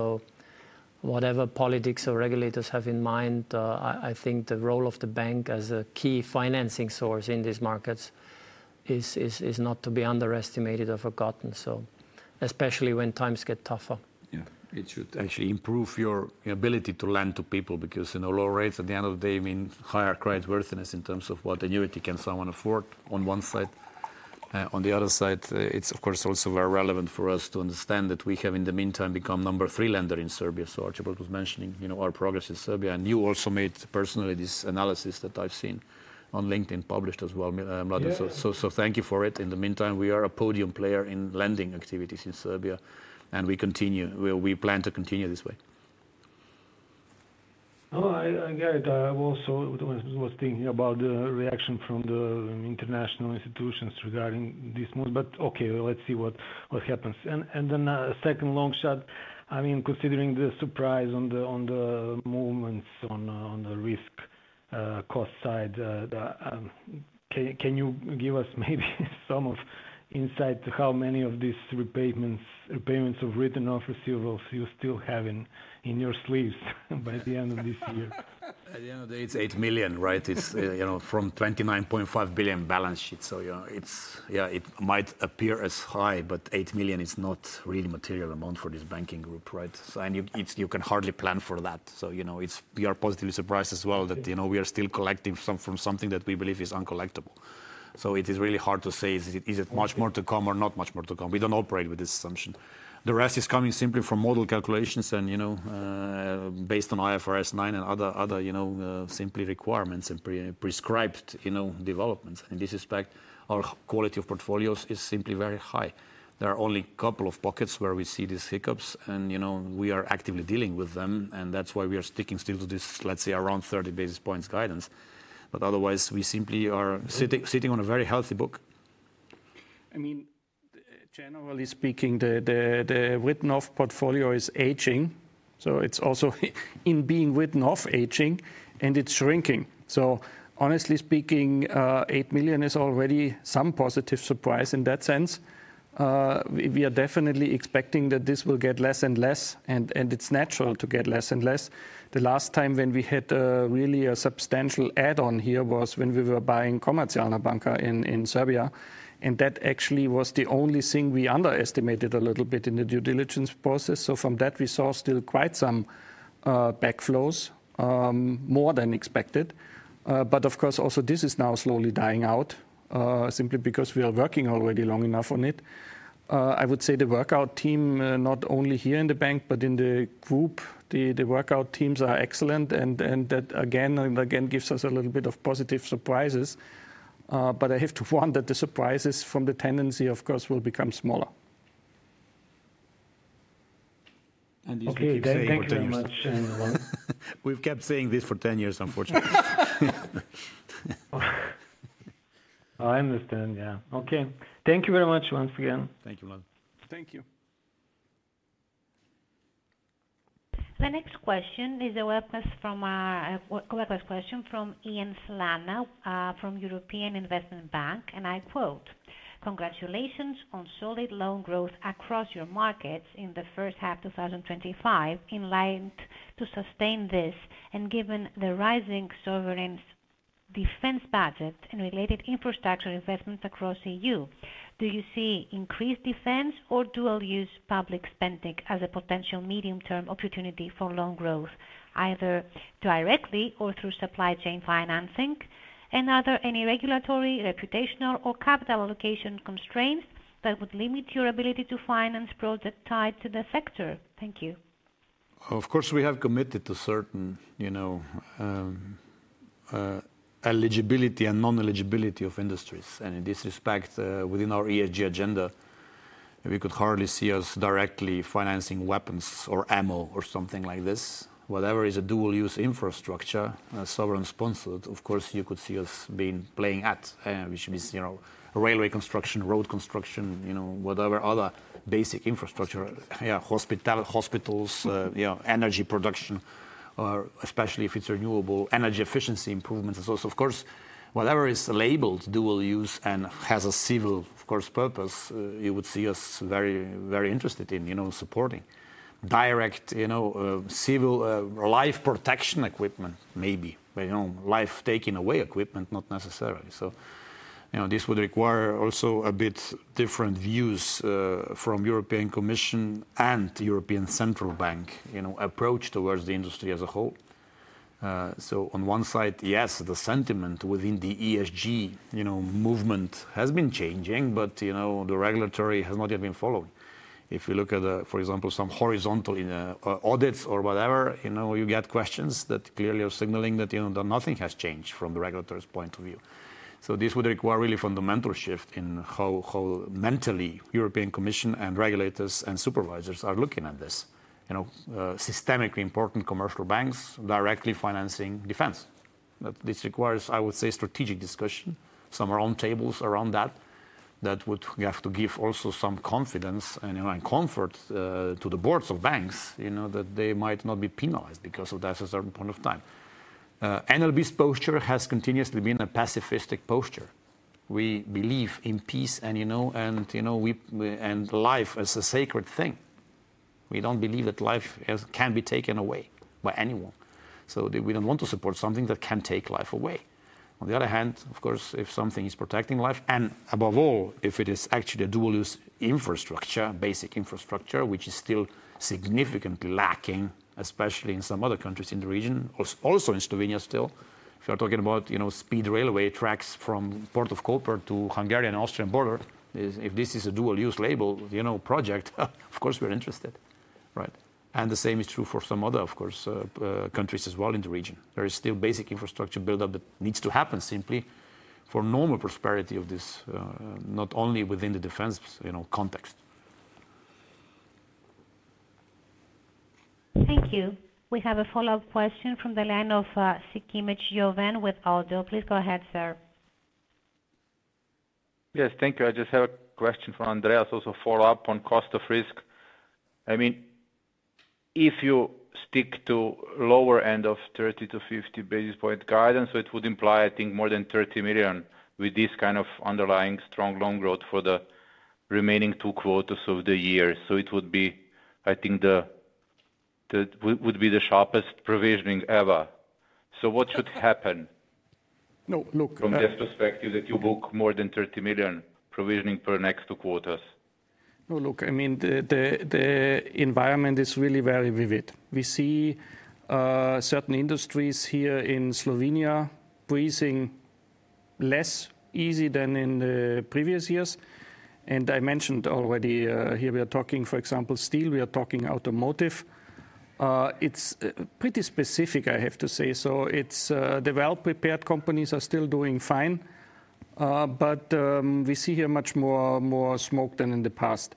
Whatever politics or regulators have in mind, I think the role of the bank as a key financing source in these markets is not to be underestimated or forgotten, especially when times get tougher. Yeah, it should actually improve your ability to lend to people because low rates at the end of the day mean higher creditworthiness in terms of what annuity can someone afford on one side. On the other side, it's, of course, also very relevant for us to understand that we have in the meantime become number three lender in Serbia. Archibald was mentioning our progress in Serbia. You also made personally this analysis that I've seen on LinkedIn published as well, Mladen. Thank you for it. In the meantime, we are a podium player in lending activities in Serbia, and we continue. We plan to continue this way. Oh, I get it. I also was thinking about the reaction from the international institutions regarding this move. Okay, let's see what happens. A second long shot. I mean, considering the surprise on the movements on the risk cost side, can you give us maybe some insight to how many of these repayments of written off receivables you still have in your sleeves by the end of this year? At the end of the day, it's 8 million, right? It's from a 29.5 billion balance sheet. It might appear as high, but 8 million is not a really material amount for this banking group, right? You can hardly plan for that. You are positively surprised as well that we are still collecting from something that we believe is uncollectible. It is really hard to say, is it much more to come or not much more to come? We don't operate with this assumption. The rest is coming simply from model calculations, based on IFRS 9 and other simply requirements and prescribed developments. In this respect, our quality of portfolios is simply very high. There are only a couple of pockets where we see these hiccups, and we are actively dealing with them. That's why we are sticking still to this, let's say, around 30 basis points guidance. Otherwise, we simply are sitting on a very healthy book. I mean, generally speaking, the written off portfolio is aging. It's also in being written off aging, and it's shrinking. Honestly speaking, 8 million is already some positive surprise in that sense. We are definitely expecting that this will get less and less, and it's natural to get less and less. The last time when we hit really a substantial add-on here was when we were buying Komercijalna Banka in Serbia. That actually was the only thing we underestimated a little bit in the due diligence process. From that, we saw still quite some backflows, more than expected. Of course, also this is now slowly dying out, simply because we are working already long enough on it. I would say the workout team, not only here in the bank, but in the group, the workout teams are excellent. That again and again gives us a little bit of positive surprises. I have to warn that the surprises from the tendency, of course, will become smaller. Okay, thank you very much. We've kept saying this for 10 years, unfortunately. I understand, yeah. Okay, thank you very much once again. Thank you, Mladen. Thank you. The next question is a webcast question from Ian Slana from European Investment Bank. "Congratulations on solid loan growth across your markets in the first half of 2025. In light to sustain this and given the rising sovereign defense budget and related infrastructure investment across EU, do you see increased defense or dual-use public spending as a potential medium-term opportunity for loan growth, either directly or through supply chain financing? Are there any regulatory, reputational, or capital allocation constraints that would limit your ability to finance projects tied to the sector? Thank you. Of course, we have committed to certain, you know, eligibility and non-eligibility of industries. In this respect, within our ESG agenda, we could hardly see us directly financing weapons or ammo or something like this. Whatever is a dual-use infrastructure, sovereign sponsored, of course, you could see us being playing at, which would be, you know, railway construction, road construction, you know, whatever other basic infrastructure, hospitals, energy production, or especially if it's renewable energy efficiency improvements. Of course, whatever is labeled dual use and has a civil, of course, purpose, you would see us very, very interested in supporting direct, you know, civil, life protection equipment, maybe, but, you know, life taking away equipment, not necessarily. This would require also a bit different views from the European Commission and the European Central Bank, you know, approach towards the industry as a whole. On one side, yes, the sentiment within the ESG movement has been changing, but, you know, the regulatory has not yet been followed. If you look at, for example, some horizontal audits or whatever, you get questions that clearly are signaling that nothing has changed from the regulatory point of view. This would require really a fundamental shift in how mentally the European Commission and regulators and supervisors are looking at this. Systemically important commercial banks directly financing defense. This requires, I would say, strategic discussion. Some are on tables around that. That would have to give also some confidence and comfort to the boards of banks, you know, that they might not be penalized because of that at a certain point of time. NLB's posture has continuously been a pacifistic posture. We believe in peace and, you know, and life as a sacred thing. We don't believe that life can be taken away by anyone. We don't want to support something that can take life away. On the other hand, of course, if something is protecting life, and above all, if it is actually a dual-use infrastructure, basic infrastructure, which is still significantly lacking, especially in some other countries in the region, or also in Slovenia still, if you are talking about speed railway tracks from Port of Koper to Hungarian-Austrian border, if this is a dual-use label, project, of course, we're interested. Right. The same is true for some other, of course, countries as well in the region. There is still basic infrastructure buildup that needs to happen simply for normal prosperity of this, not only within the defense context. Thank you. We have a follow-up question from the line of Jovan Sikimic with ODDO. Please go ahead, sir. Yes, thank you. I just have a question for Andreas, also a follow-up on cost of risk. If you stick to the lower end of 30 basis points-50 basis points guidance, it would imply, I think, more than 30 million with this kind of underlying strong loan growth for the remaining two quarters of the year. It would be, I think, the sharpest provisioning ever. What should happen from this perspective that you book more than 30 million provisioning per next two quarters? No, look, I mean, the environment is really very vivid. We see certain industries here in Slovenia freezing less easily than in the previous years. I mentioned already, here we are talking, for example, steel, we are talking automotive. It's pretty specific, I have to say. The well-prepared companies are still doing fine, but we see here much more smoke than in the past.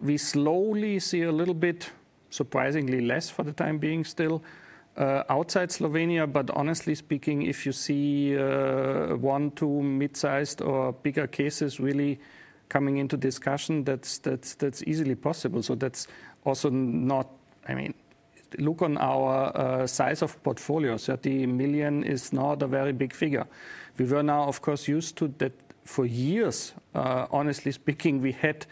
We slowly see a little bit, surprisingly less for the time being still, outside Slovenia. Honestly speaking, if you see one, two mid-sized or bigger cases really coming into discussion, that's easily possible. That's also not, I mean, look on our size of portfolios. 30 million is not a very big figure. We were now, of course, used to that for years. Honestly speaking, we had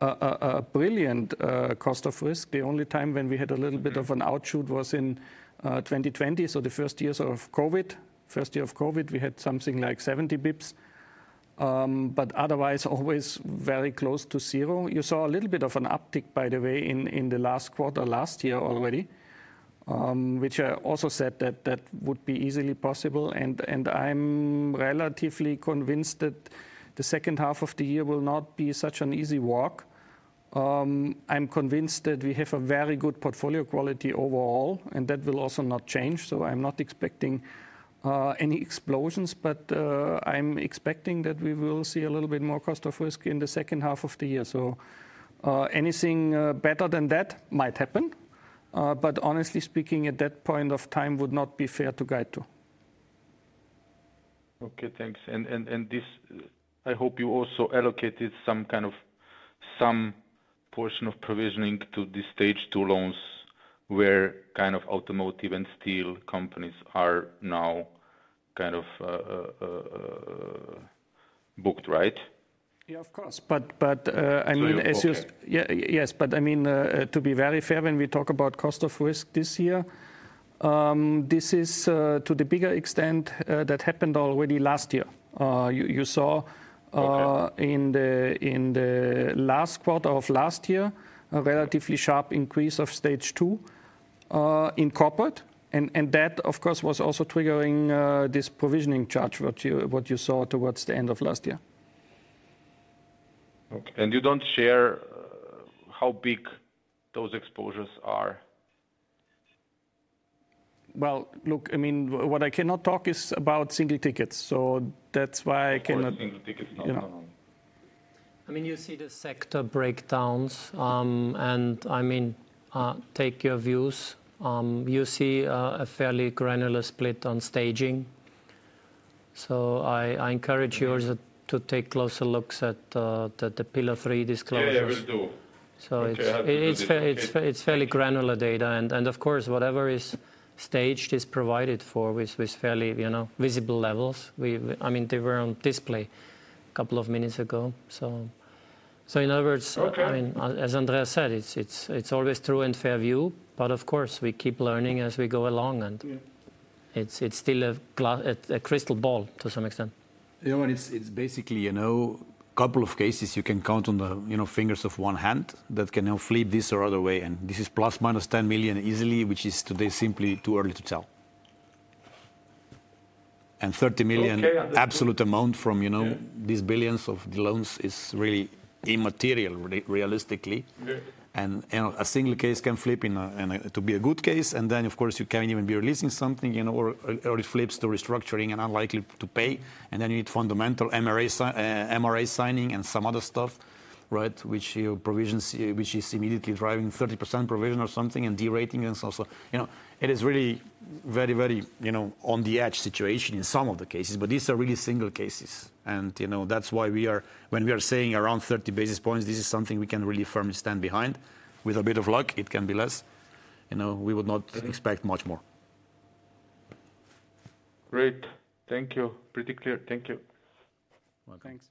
a brilliant cost of risk. The only time when we had a little bit of an outshoot was in 2020. The first year of COVID, we had something like 70 basis points, but otherwise, always very close to zero. You saw a little bit of an uptick, by the way, in the last quarter last year already, which I also said that that would be easily possible. I'm relatively convinced that the second half of the year will not be such an easy walk. I'm convinced that we have a very good portfolio quality overall, and that will also not change. I'm not expecting any explosions, but I'm expecting that we will see a little bit more cost of risk in the second half of the year. Anything better than that might happen. Honestly speaking, at that point of time, it would not be fair to guide to. Okay, thanks. I hope you also allocated some kind of portion of provisioning to the stage two loans where kind of automotive and steel companies are now kind of booked, right? Of course. As you... Yes, but I mean, to be very fair, when we talk about cost of risk this year, this is to the bigger extent that happened already last year. You saw in the last quarter of last year a relatively sharp increase of stage two in corporate. That, of course, was also triggering this provisioning charge, what you saw towards the end of last year. Okay. You don't share how big those exposures are? I mean, what I cannot talk is about single tickets. That's why I cannot... Single tickets, not how long. You see the sector breakdowns. You see a fairly granular split on staging. I encourage yours to take closer looks at the pillar three disclosures. Yeah, I will do. It's fairly granular data. Of course, whatever is staged is provided for with fairly visible levels. I mean, they were on display a couple of minutes ago. In other words, as Andreas said, it's always true and fair view. Of course, we keep learning as we go along. It's still a crystal ball to some extent. It's basically a couple of cases you can count on the fingers of one hand that can now flip this or other way. This is plus minus 10 million easily, which is today simply too early to tell. 30 million absolute amount from these billions of loans is really immaterial realistically. A single case can flip to be a good case. Of course, you can even be releasing something, or it flips to restructuring and unlikely to pay. You need fundamental MRA signing and some other stuff, which you provision, which is immediately driving 30% provision or something and derating and stuff. It is really a very, very on the edge situation in some of the cases. These are really single cases. That's why when we are saying around 30 basis points, this is something we can really firmly stand behind. With a bit of luck, it can be less. We would not expect much more. Great. Thank you. Pretty clear. Thank you. Thanks.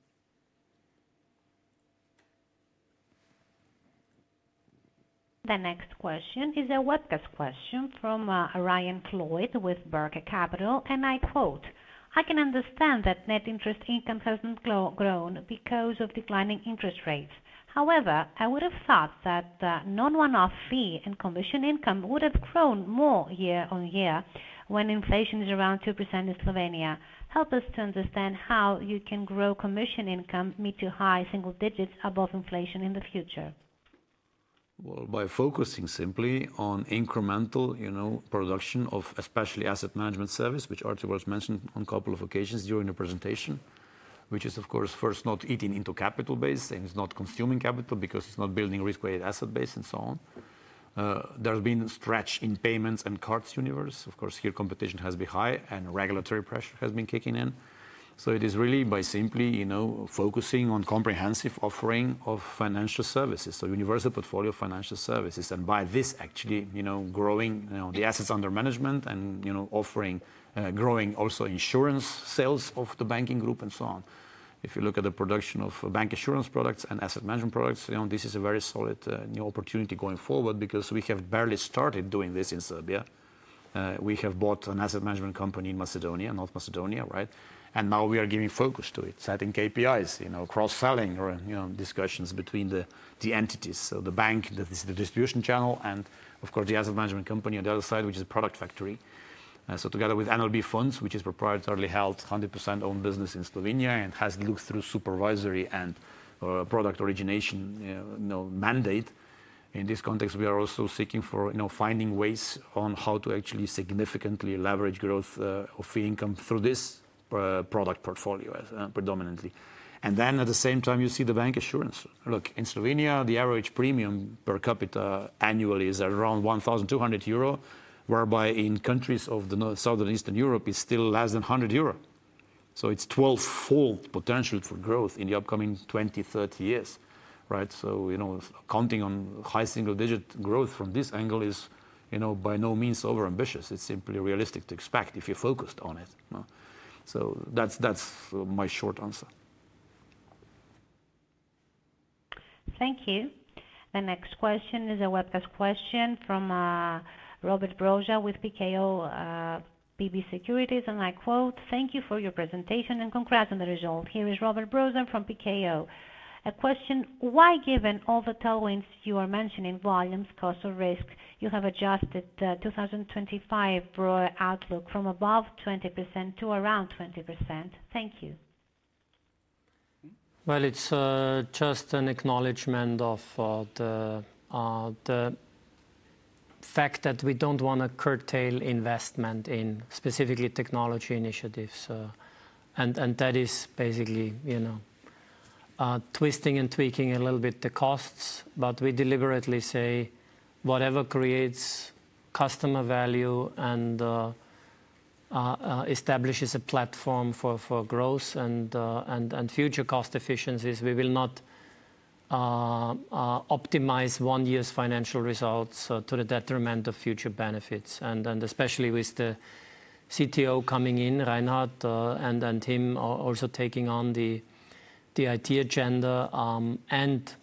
The next question is a webcast question from Ryan Floyd with Barca Capital. "I can understand that net interest income has not grown because of declining interest rates. However, I would have thought that non-one-off fee and commission income would have grown more year on year when inflation is around 2% in Slovenia. Help us to understand how you can grow commission income mid to high single digits above inflation in the future. By focusing simply on incremental production of especially asset and wealth management service, which Archie mentioned on a couple of occasions during the presentation, which is, of course, first not eating into capital base and is not consuming capital because it's not building risk-weighted asset base and so on. There's been a stretch in payments and cards universe. Here, competition has been high and regulatory pressure has been kicking in. It is really by simply focusing on comprehensive offering of financial services, so universal portfolio financial services. By this, actually growing the assets under management and offering, growing also insurance sales of the banking group and so on. If you look at the production of bank insurance products and asset and wealth management products, this is a very solid new opportunity going forward because we have barely started doing this in Serbia. We have bought an asset and wealth management company in North Macedonia, right? Now we are giving focus to it, setting KPIs, cross-selling or discussions between the entities. The bank, the distribution channel, and the asset and wealth management company on the other side, which is a product factory. Together with NLB funds, which is proprietarily held 100% owned business in Slovenia and has looked through supervisory and product origination mandate. In this context, we are also seeking for finding ways on how to actually significantly leverage growth of fee and commission income through this product portfolio predominantly. At the same time, you see the bank assurance. In Slovenia, the average premium per capita annually is around 1,200 euro, whereby in countries of the North, Southern, Eastern Europe, it's still less than 100 euro. It's 12-fold potential for growth in the upcoming 20-30 years, right? Counting on high single-digit growth from this angle is. By no means overambitious. It's simply realistic to expect if you're focused on it. No, that's my short answer. Thank you. The next question is a webcast question from Robert Brzoza with PKO BP Securities, and I quote, "Thank you for your presentation and congrats on the result." Here is Robert Brzoza from PKO. A question, why given all the tailwinds you are mentioning, volumes, costs, or risks, you have adjusted the 2025 broad outlook from above 20% to around 20%? Thank you. It's just an acknowledgment of the fact that we don't want to curtail investment in specifically technology initiatives. That is basically, you know, twisting and tweaking a little bit the costs, but we deliberately say whatever creates customer value and establishes a platform for growth and future cost efficiencies, we will not optimize one year's financial results to the detriment of future benefits. Especially with the Chief Technology Officer coming in, Reinhardt, and then him also taking on the IT agenda and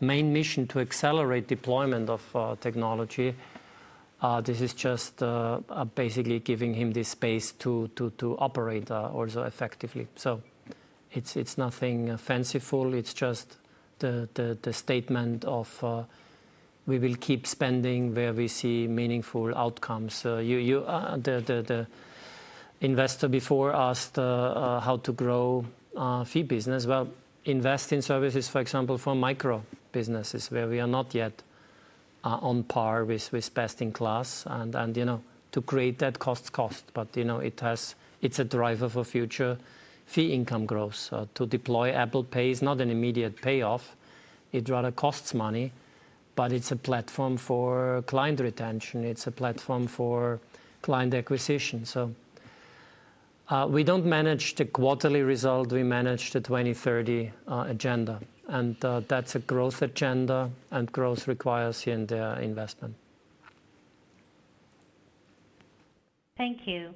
main mission to accelerate deployment of technology, this is just basically giving him the space to operate also effectively. It's nothing fanciful. It's just the statement of we will keep spending where we see meaningful outcomes. The investor before asked how to grow a fee business. Invest in services, for example, for micro businesses where we are not yet on par with best in class and, you know, to create that cost cost. You know, it's a driver for future fee income growth. To deploy Apple Pay is not an immediate payoff. It rather costs money, but it's a platform for client retention. It's a platform for client acquisition. We don't manage the quarterly result. We manage the 2030 agenda. That's a growth agenda, and growth requires here and there investment. Thank you.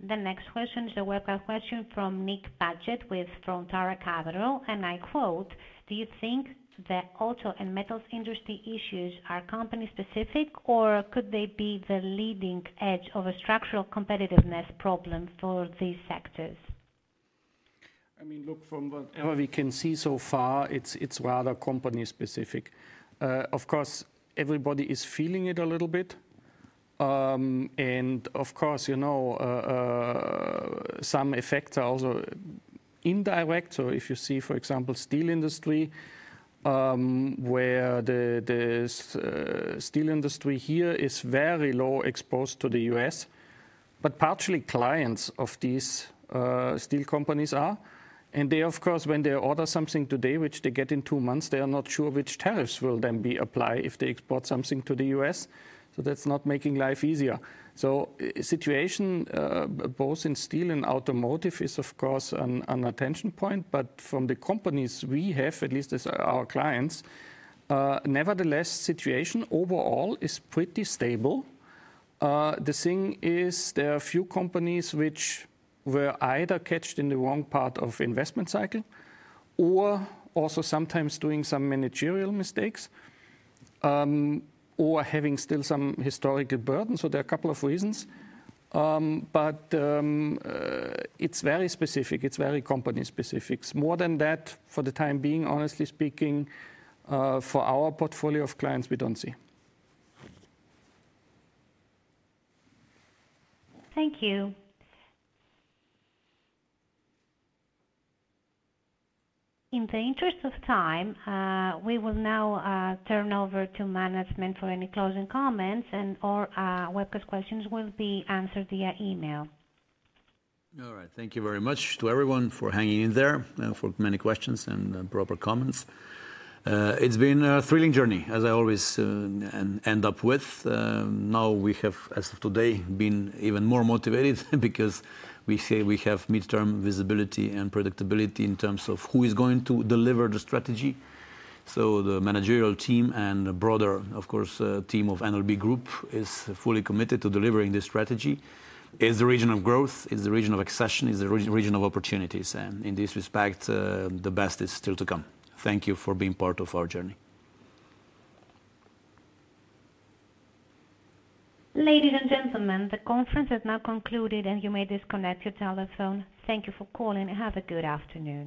The next question is a webcast question from [Nick Bajet] with Frontera Capital, and I quote, "Do you think the auto and metals industry issues are company-specific, or could they be the leading edge of a structural competitiveness problem for these sectors? I mean, look, from what we can see so far, it's rather company-specific. Of course, everybody is feeling it a little bit. Of course, some effects are also indirect. If you see, for example, the steel industry, where the steel industry here is very low exposed to the U.S., but partially clients of these steel companies are. They, of course, when they order something today, which they get in two months, are not sure which tariffs will then be applied if they export something to the U.S. That's not making life easier. The situation both in steel and automotive is, of course, an attention point. From the companies we have, at least our clients, nevertheless, the situation overall is pretty stable. There are a few companies which were either catching in the wrong part of the investment cycle, or also sometimes doing some managerial mistakes, or having still some historical burden. There are a couple of reasons. It's very specific. It's very company-specific. For the time being, honestly speaking, for our portfolio of clients, we don't see. Thank you. In the interest of time, we will now turn over to management for any closing comments, and all webcast questions will be answered via email. All right. Thank you very much to everyone for hanging in there for many questions and broader comments. It's been a thrilling journey, as I always end up with. We have, as of today, been even more motivated because we have midterm visibility and predictability in terms of who is going to deliver the strategy. The managerial team and the broader, of course, team of NLB Group is fully committed to delivering this strategy. It's the region of growth. It's the region of accession. It's the region of opportunities. In this respect, the best is still to come. Thank you for being part of our journey. Ladies and gentlemen, the conference is now concluded, and you may disconnect your telephone. Thank you for calling and have a good afternoon.